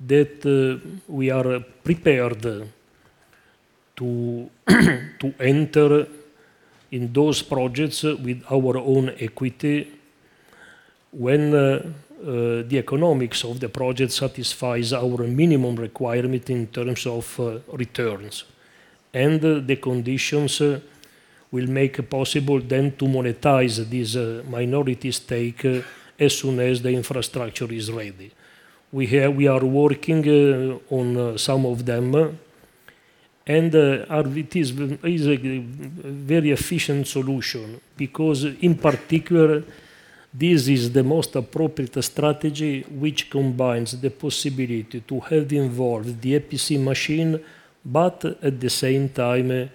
[SPEAKER 3] that we are prepared to enter in those projects with our own equity when the economics of the project satisfies our minimum requirement in terms of returns. The conditions will make possible then to monetize this minority stake as soon as the infrastructure is ready. We are working on some of them, it is basically very efficient solution because in particular, this is the most appropriate strategy which combines the possibility to have involved the EPC machine, but at the same time,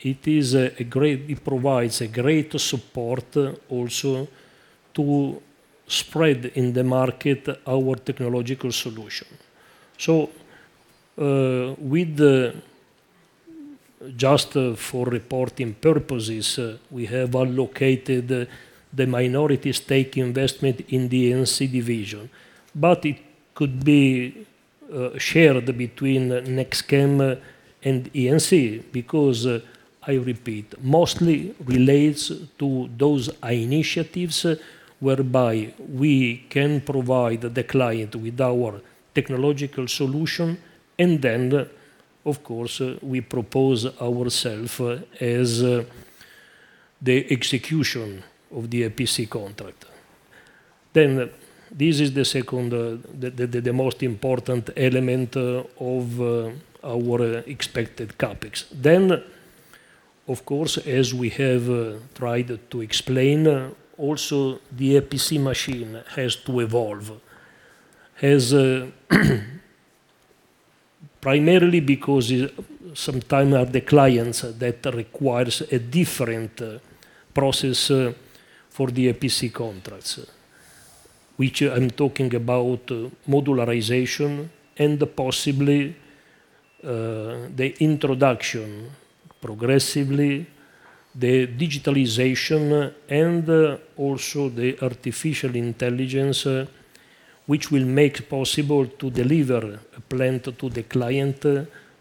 [SPEAKER 3] it provides a great support also to spread in the market our technological solution. Just for reporting purposes, we have allocated the minority stake investment in the E&C division, but it could be shared between NextChem and E&C because, I repeat, mostly relates to those initiatives whereby we can provide the client with our technological solution and then, of course, we propose ourself as the execution of the EPC contract. This is the second most important element of our expected CAPEX. Of course, as we have tried to explain, also the EPC machine has to evolve, as primarily because sometimes are the clients that requires a different process for the EPC contracts, which I'm talking about modularization and possibly the introduction progressively, the digitalization and also the artificial intelligence, which will make possible to deliver a plant to the client,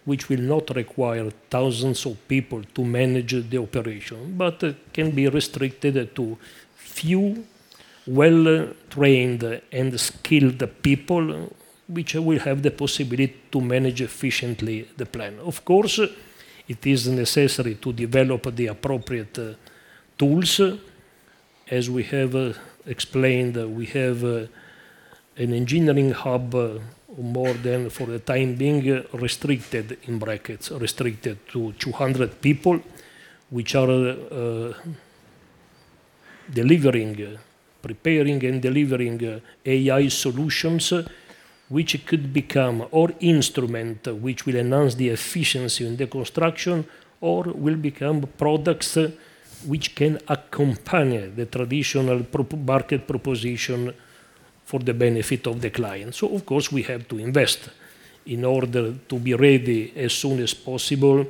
[SPEAKER 3] which will not require thousands of people to manage the operation, but can be restricted to few well-trained and skilled people, which will have the possibility to manage efficiently the plant. Of course, it is necessary to develop the appropriate tools. As we have explained, we have an engineering hub, more than for the time being, restricted (restricted to 200 people) which are delivering, preparing and delivering AI solutions which could become or instrument which will enhance the efficiency in the construction or will become products which can accompany the traditional pro-market proposition for the benefit of the client. Of course, we have to invest in order to be ready as soon as possible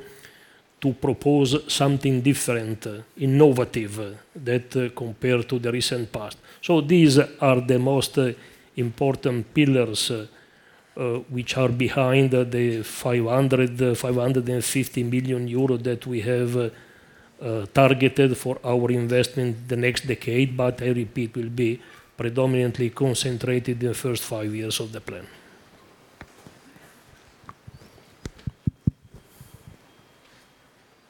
[SPEAKER 3] to propose something different, innovative that compared to the recent past. These are the most important pillars which are behind the 550 million euro that we have targeted for our investment the next decade. I repeat, will be predominantly concentrated the first five years of the plan.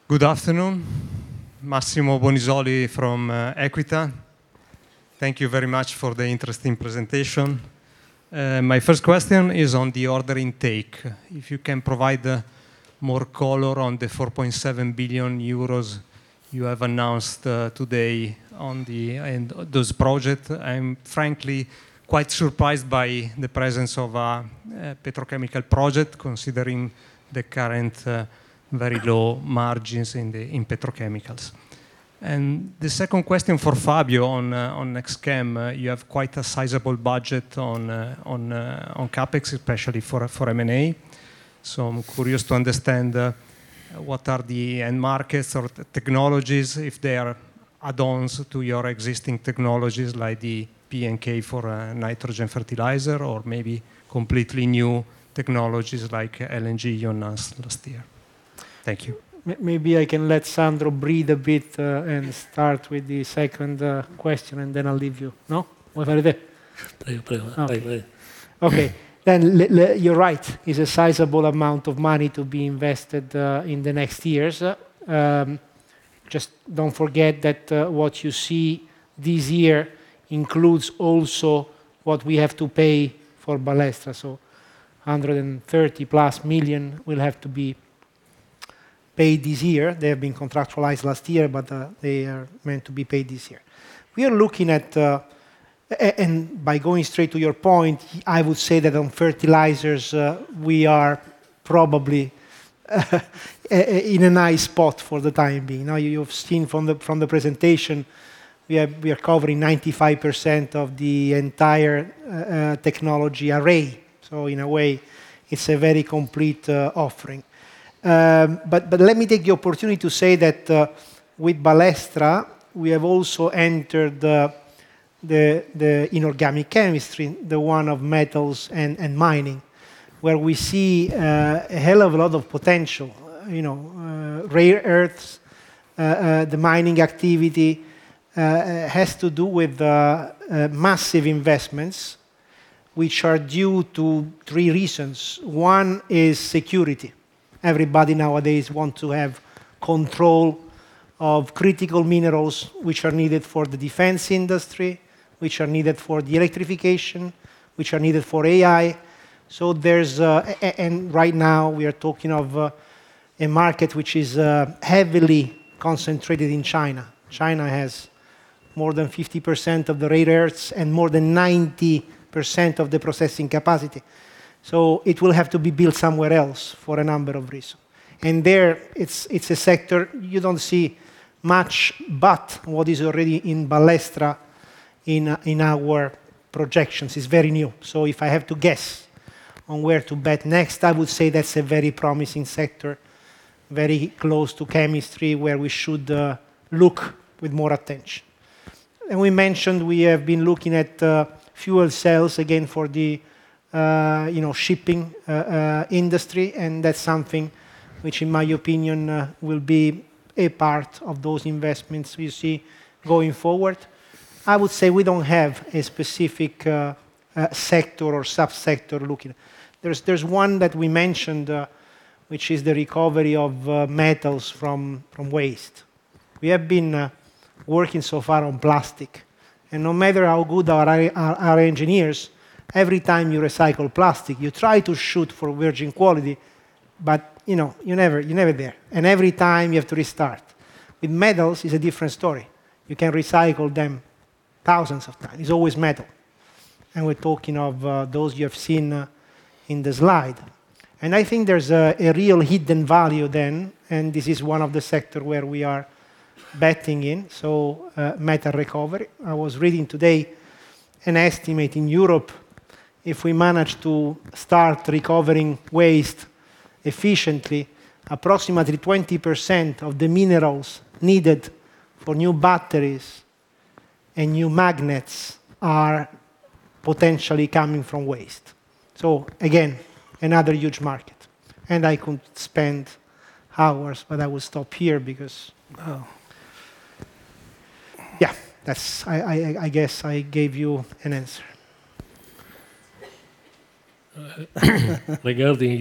[SPEAKER 15] Good afternoon. Massimo Bonisoli from Equita. Thank you very much for the interesting presentation. My first question is on the order intake. If you can provide more color on the 4.7 billion euros you have announced today on those projects. I'm frankly quite surprised by the presence of petrochemical project, considering the current very low margins in the, in petrochemicals. The second question for Fabio on NextChem. You have quite a sizable budget on CAPEX, especially for M&A. So I'm curious to understand what are the end markets or technologies, if they are add-ons to your existing technologies, like the NPK for nitrogen fertilizer or maybe completely new technologies like LNG you announced last year. Thank you.
[SPEAKER 5] Maybe I can let Alessandro breathe a bit, and start with the second question, and then I'll leave you. No? Okay. You're right. It's a sizable amount of money to be invested in the next years. Just don't forget that what you see this year includes also what we have to pay for Ballestra. So 130+ million will have to be paid this year. They have been contractualized last year, but they are meant to be paid this year. We are looking at. By going straight to your point, I would say that on fertilizers, we are probably in a nice spot for the time being. Now, you've seen from the presentation we are covering 95% of the entire technology array. In a way, it's a very complete offering. Let me take the opportunity to say that with Ballestra, we have also entered the inorganic chemistry, the one of metals and mining, where we see a hell of a lot of potential. You know, rare earths, the mining activity has to do with massive investments which are due to three reasons. One is security. Everybody nowadays want to have control of critical minerals which are needed for the defense industry, which are needed for the electrification, which are needed for AI. There's and right now we are talking of a market which is heavily concentrated in China. China has more than 50% of the rare earths and more than 90% of the processing capacity. It will have to be built somewhere else for a number of reasons. There, it's a sector you don't see much, but what is already in Ballestra, in our projections is very new. If I have to guess on where to bet next, I would say that's a very promising sector, very close to chemistry, where we should look with more attention. We mentioned we have been looking at fuel cells again for the, you know, shipping industry. That's something which in my opinion will be a part of those investments we see going forward. I would say we don't have a specific sector or subsector looking. There's one that we mentioned which is the recovery of metals from waste. We have been working so far on plastic, no matter how good our engineers, every time you recycle plastic, you try to shoot for virgin quality, but, you know, you're never there, every time you have to restart. With metals, it's a different story. You can recycle them thousands of times. It's always metal. We're talking of those you have seen in the slide. I think there's a real hidden value then. This is one of the sector where we are betting in. Metal recovery. I was reading today an estimate in Europe, if we manage to start recovering waste efficiently, approximately 20% of the minerals needed for new batteries and new magnets are potentially coming from waste. Again, another huge market, and I could spend hours, but I will stop here because, yeah, that's. I guess I gave you an answer.
[SPEAKER 3] Regarding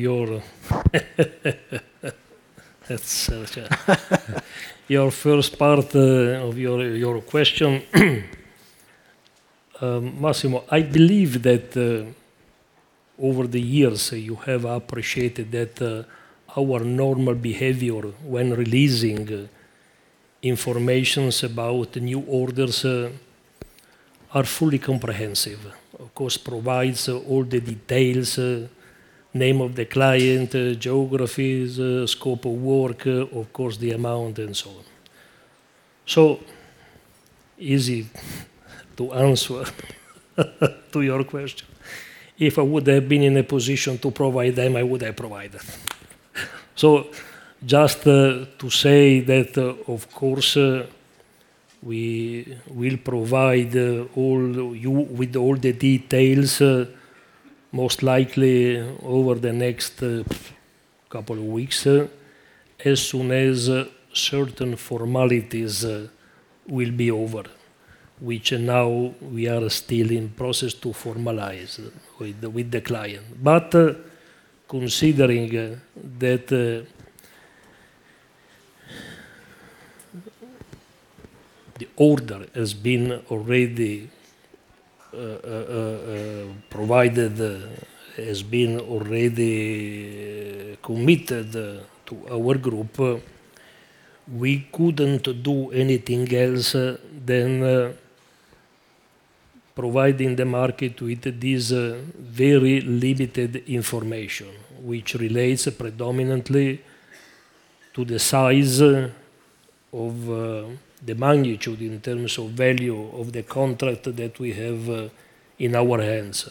[SPEAKER 3] your first part of your question. Massimo, I believe that over the years you have appreciated that our normal behavior when releasing informations about the new orders are fully comprehensive. Of course, provides all the details, name of the client, geographies, scope of work, of course the amount and so on. Easy to answer to your question. If I would have been in a position to provide them, I would have provided. Just to say that, of course, we will provide with all the details most likely over the next couple of weeks, as soon as certain formalities will be over, which now we are still in process to formalize with the client. Considering that, the order has been already provided, has been already committed to our group, we couldn't do anything else than providing the market with this very limited information, which relates predominantly to the size of the magnitude in terms of value of the contract that we have in our hands.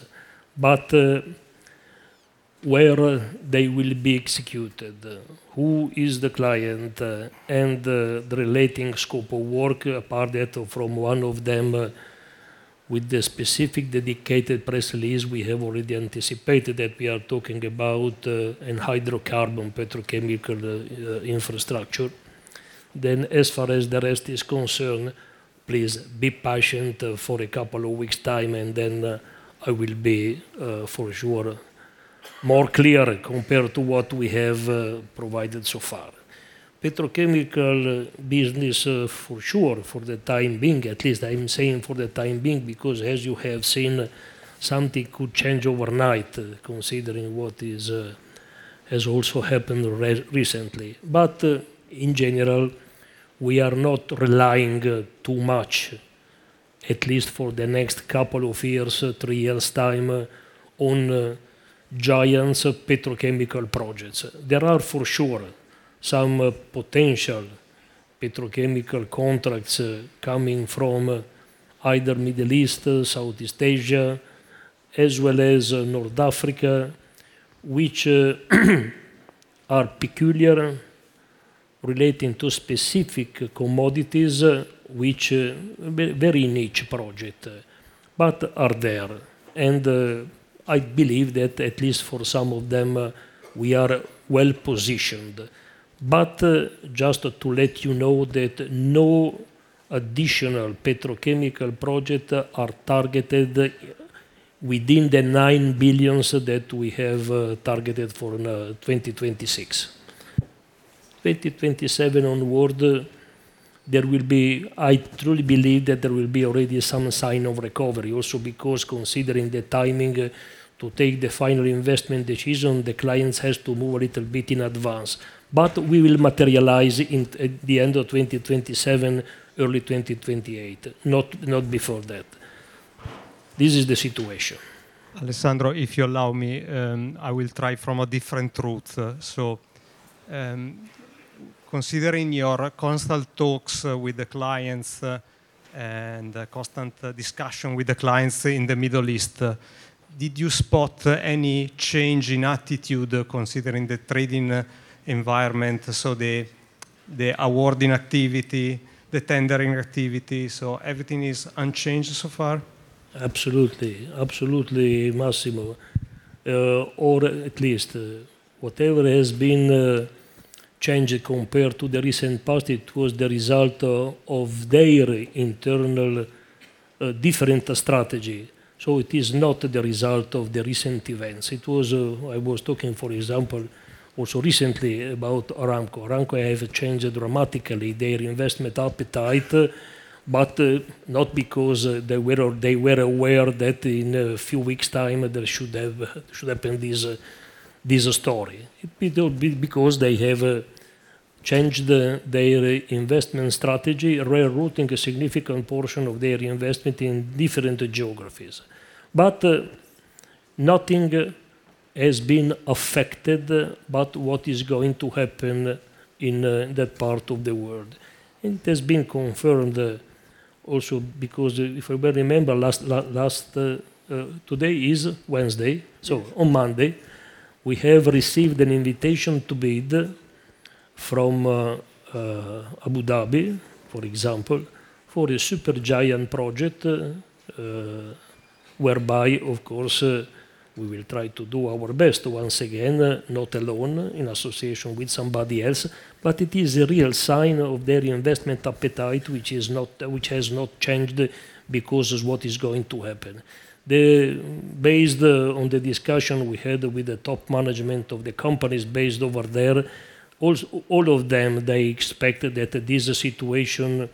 [SPEAKER 3] Where they will be executed, who is the client, and the relating scope of work, apart that from one of them, with the specific dedicated press release, we have already anticipated that we are talking about in hydrocarbon petrochemical infrastructure. As far as the rest is concerned, please be patient for a couple of weeks' time, and then, I will be for sure more clear compared to what we have provided so far. Petrochemical business, for sure, for the time being, at least I'm saying for the time being, because as you have seen, something could change overnight, considering what has also happened recently. In general, we are not relying too much, at least for the next couple of years, three years time, on giant petrochemical projects. There are for sure some potential petrochemical contracts coming from either Middle East, Southeast Asia, as well as North Africa, which are peculiar relating to specific commodities, which very niche project, but are there. I believe that at least for some of them, we are well-positioned. Just to let you know that no additional petrochemical project are targeted within the 9 billion that we have targeted for 2026. 2027 onward, I truly believe that there will be already some sign of recovery also because considering the timing to take the final investment decision, the clients has to move a little bit in advance. We will materialize in, at the end of 2027, early 2028, not before that. This is the situation.
[SPEAKER 15] Alessandro, if you allow me, I will try from a different route. Considering your constant talks with the clients, and constant discussion with the clients in the Middle East, did you spot any change in attitude considering the trading environment? The awarding activity, the tendering activity, everything is unchanged so far?
[SPEAKER 3] Absolutely, Massimo. Or at least, whatever has been changed compared to the recent past, it was the result of their internal, different strategy. It is not the result of the recent events. I was talking, for example, also recently about Aramco. Aramco have changed dramatically their investment appetite, but not because they were or they were aware that in a few weeks time there should happen this story. It would be because they have changed their investment strategy, rerouting a significant portion of their investment in different geographies. Nothing has been affected about what is going to happen in that part of the world. It has been confirmed, also because if I remember last, today is Wednesday, so on Monday, we have received an invitation to bid from Abu Dhabi, for example, for a super giant project, whereby of course, we will try to do our best once again, not alone in association with somebody else, but it is a real sign of their investment appetite, which is not, which has not changed because of what is going to happen. Based on the discussion we had with the top management of the companies based over there, all of them, they expected that this situation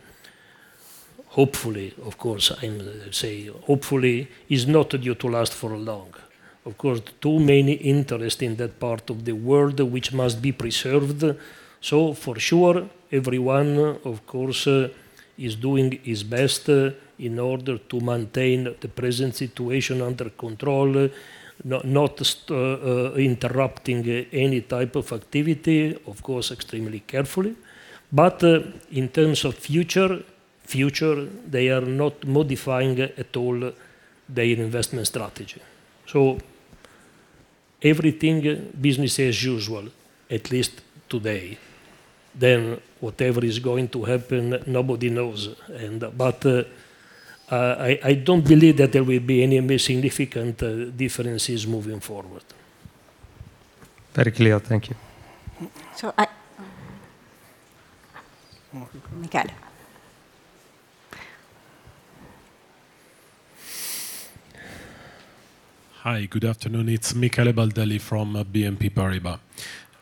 [SPEAKER 3] Hopefully, of course, I'm, say hopefully is not due to last for long. Of course, too many interest in that part of the world which must be preserved. For sure, everyone, of course, is doing his best in order to maintain the present situation under control, not interrupting any type of activity, of course, extremely carefully. In terms of future, they are not modifying at all their investment strategy. Everything business as usual, at least today. Whatever is going to happen, nobody knows. I don't believe that there will be any significant differences moving forward.
[SPEAKER 15] Very clear. Thank you.
[SPEAKER 11] Michele.
[SPEAKER 16] Hi. Good afternoon. It's Michele Baldelli from BNP Paribas.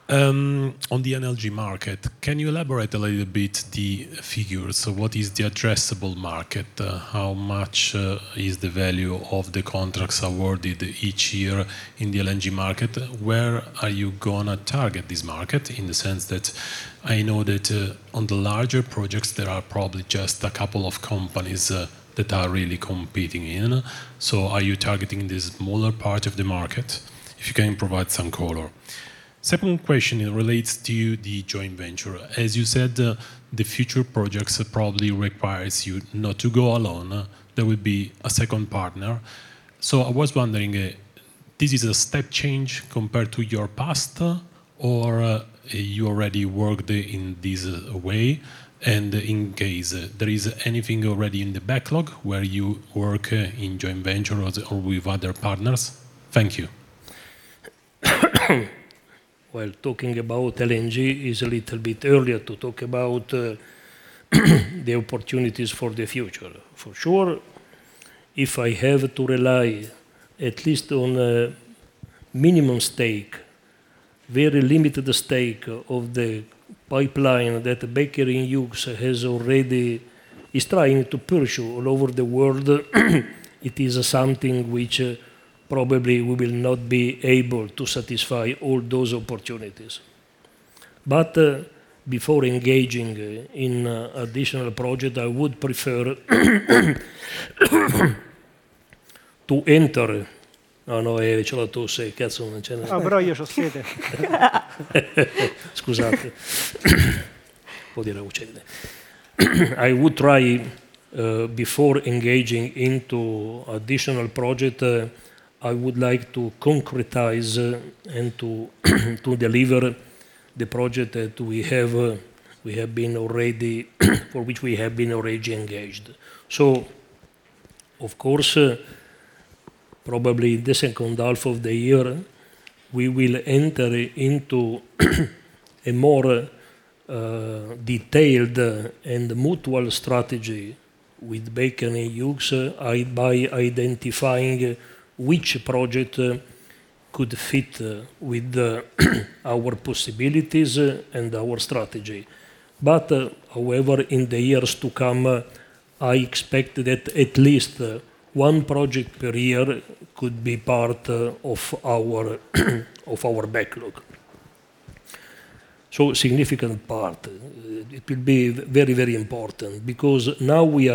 [SPEAKER 16] On the LNG market, can you elaborate a little bit the figures? What is the addressable market? How much is the value of the contracts awarded each year in the LNG market? Where are you gonna target this market? In the sense that I know that on the larger projects, there are probably just a couple of companies that are really competing in. Are you targeting the smaller part of the market? If you can provide some color. Second question, it relates to the joint venture. As you said, the future projects probably requires you not to go alone. There will be a second partner. I was wondering, this is a step change compared to your past, or you already worked in this way? In case there is anything already in the backlog where you work, in joint venture or with other partners? Thank you.
[SPEAKER 3] Talking about LNG is a little bit earlier to talk about the opportunities for the future. For sure, if I have to rely at least on a minimum stake, very limited stake of the pipeline that Baker Hughes has already is trying to pursue all over the world, it is something which probably we will not be able to satisfy all those opportunities. Before engaging in additional project, Oh, no. Scusate. I would try, before engaging into additional project, I would like to concretize and to deliver the project that we have been already for which we have been already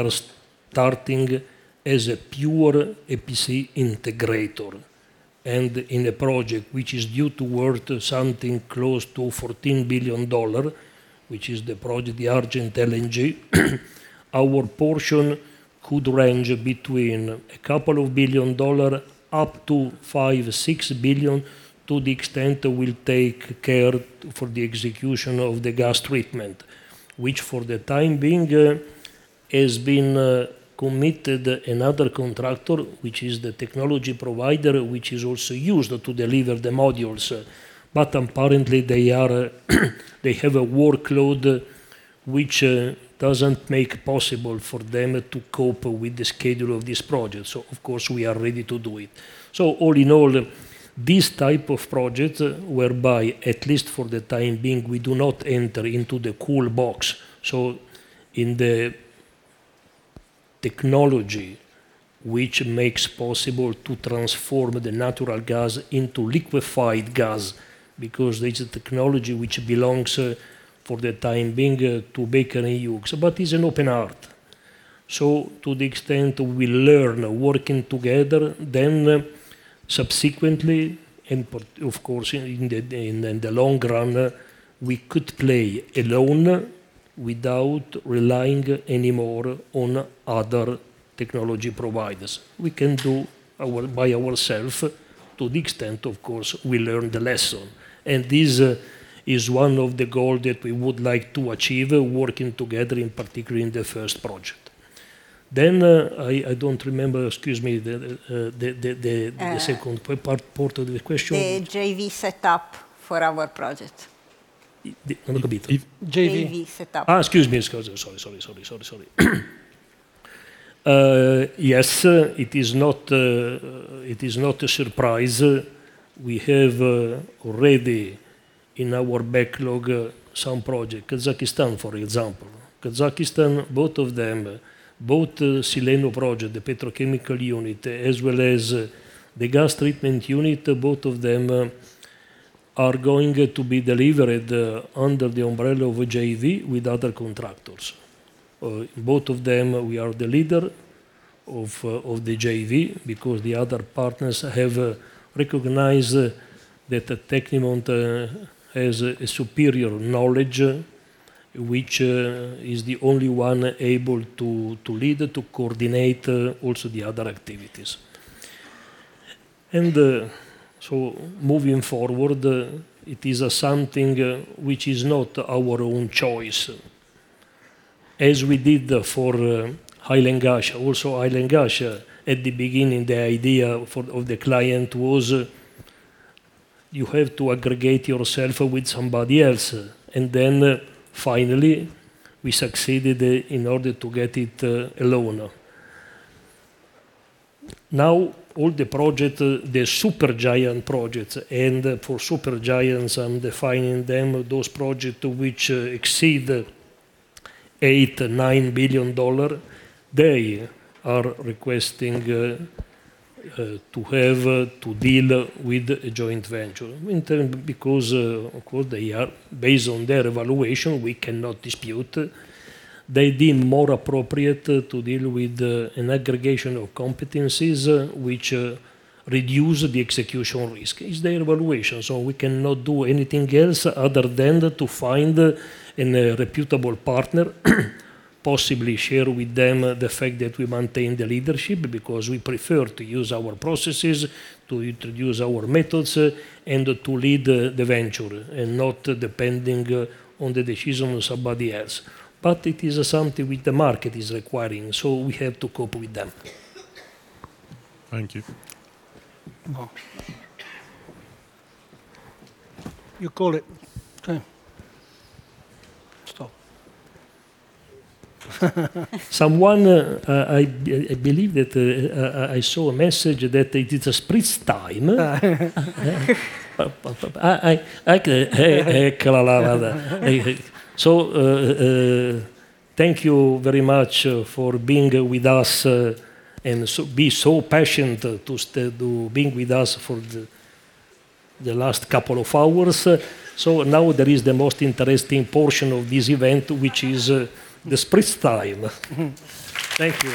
[SPEAKER 3] engaged. Of course, probably the second half of the year, we will enter into a more detailed and mutual strategy with Baker Hughes by identifying which project could fit with our possibilities and our strategy. However, in the years to come, I expect that at least 1 project per year could be part of our backlog. Significant part. It will be very important because now we are starting as a pure EPC integrator, and in a project which is due to worth something close to $14 billion, which is the project, the Argent LNG. Our portion could range between a couple of billion dollar up to $5 billion-$6 billion, to the extent we'll take care for the execution of the gas treatment. For the time being, has been committed another contractor, which is the technology provider, which is also used to deliver the modules. Apparently they have a workload which doesn't make possible for them to cope with the schedule of this project. Of course we are ready to do it. All in all, this type of project, whereby at least for the time being, we do not enter into the cold box. In the technology which makes possible to transform the natural gas into liquefied gas, because it's a technology which belongs, for the time being, to Baker Hughes, but is an open art. To the extent we learn working together, then subsequently, and of course, in the, in the long run, we could play alone without relying anymore on other technology providers. We can do our, by ourself to the extent, of course, we learn the lesson. This is one of the goal that we would like to achieve working together, in particular in the first project. I don't remember, excuse me, the second part of the question.
[SPEAKER 9] the JV setup for our project JV setup.
[SPEAKER 3] Excuse me, excuse me. Sorry, sorry, sorry. Yes, it is not, it is not a surprise. We have already in our backlog some project. Kazakhstan, for example. Kazakhstan, both of them, both Silleno project, the petrochemical unit, as well as the gas treatment unit, both of them are going to be delivered under the umbrella of a JV with other contractors. Both of them, we are the leader of the JV because the other partners have recognized that Tecnimont has a superior knowledge, which is the only one able to lead, to coordinate also the other activities. Moving forward, it is something which is not our own choice. As we did for Hail and Ghasha, also Hail and Ghasha, at the beginning, the idea for... of the client was, you have to aggregate yourself with somebody else. Finally, we succeeded in order to get it alone. All the project, the super giant projects, and for super giants, I'm defining them, those project which exceed $8 billion, $9 billion, they are requesting to have to deal with a joint venture. In term because, of course, they are based on their evaluation, we cannot dispute. They deem more appropriate to deal with an aggregation of competencies which reduce the execution risk. It's their evaluation, we cannot do anything else other than to find an reputable partner, possibly share with them the fact that we maintain the leadership because we prefer to use our processes, to introduce our methods, and to lead the venture and not depending on the decision of somebody else. It is something which the market is requiring, so we have to cope with them.
[SPEAKER 15] Thank you.
[SPEAKER 3] You call it. Okay. Stop. Someone, I believe that I saw a message that it is a spritz time. eccola là. Thank you very much for being with us, and so patient to stay, to being with us for the last couple of hours. Now there is the most interesting portion of this event, which is the spritz time. Thank you.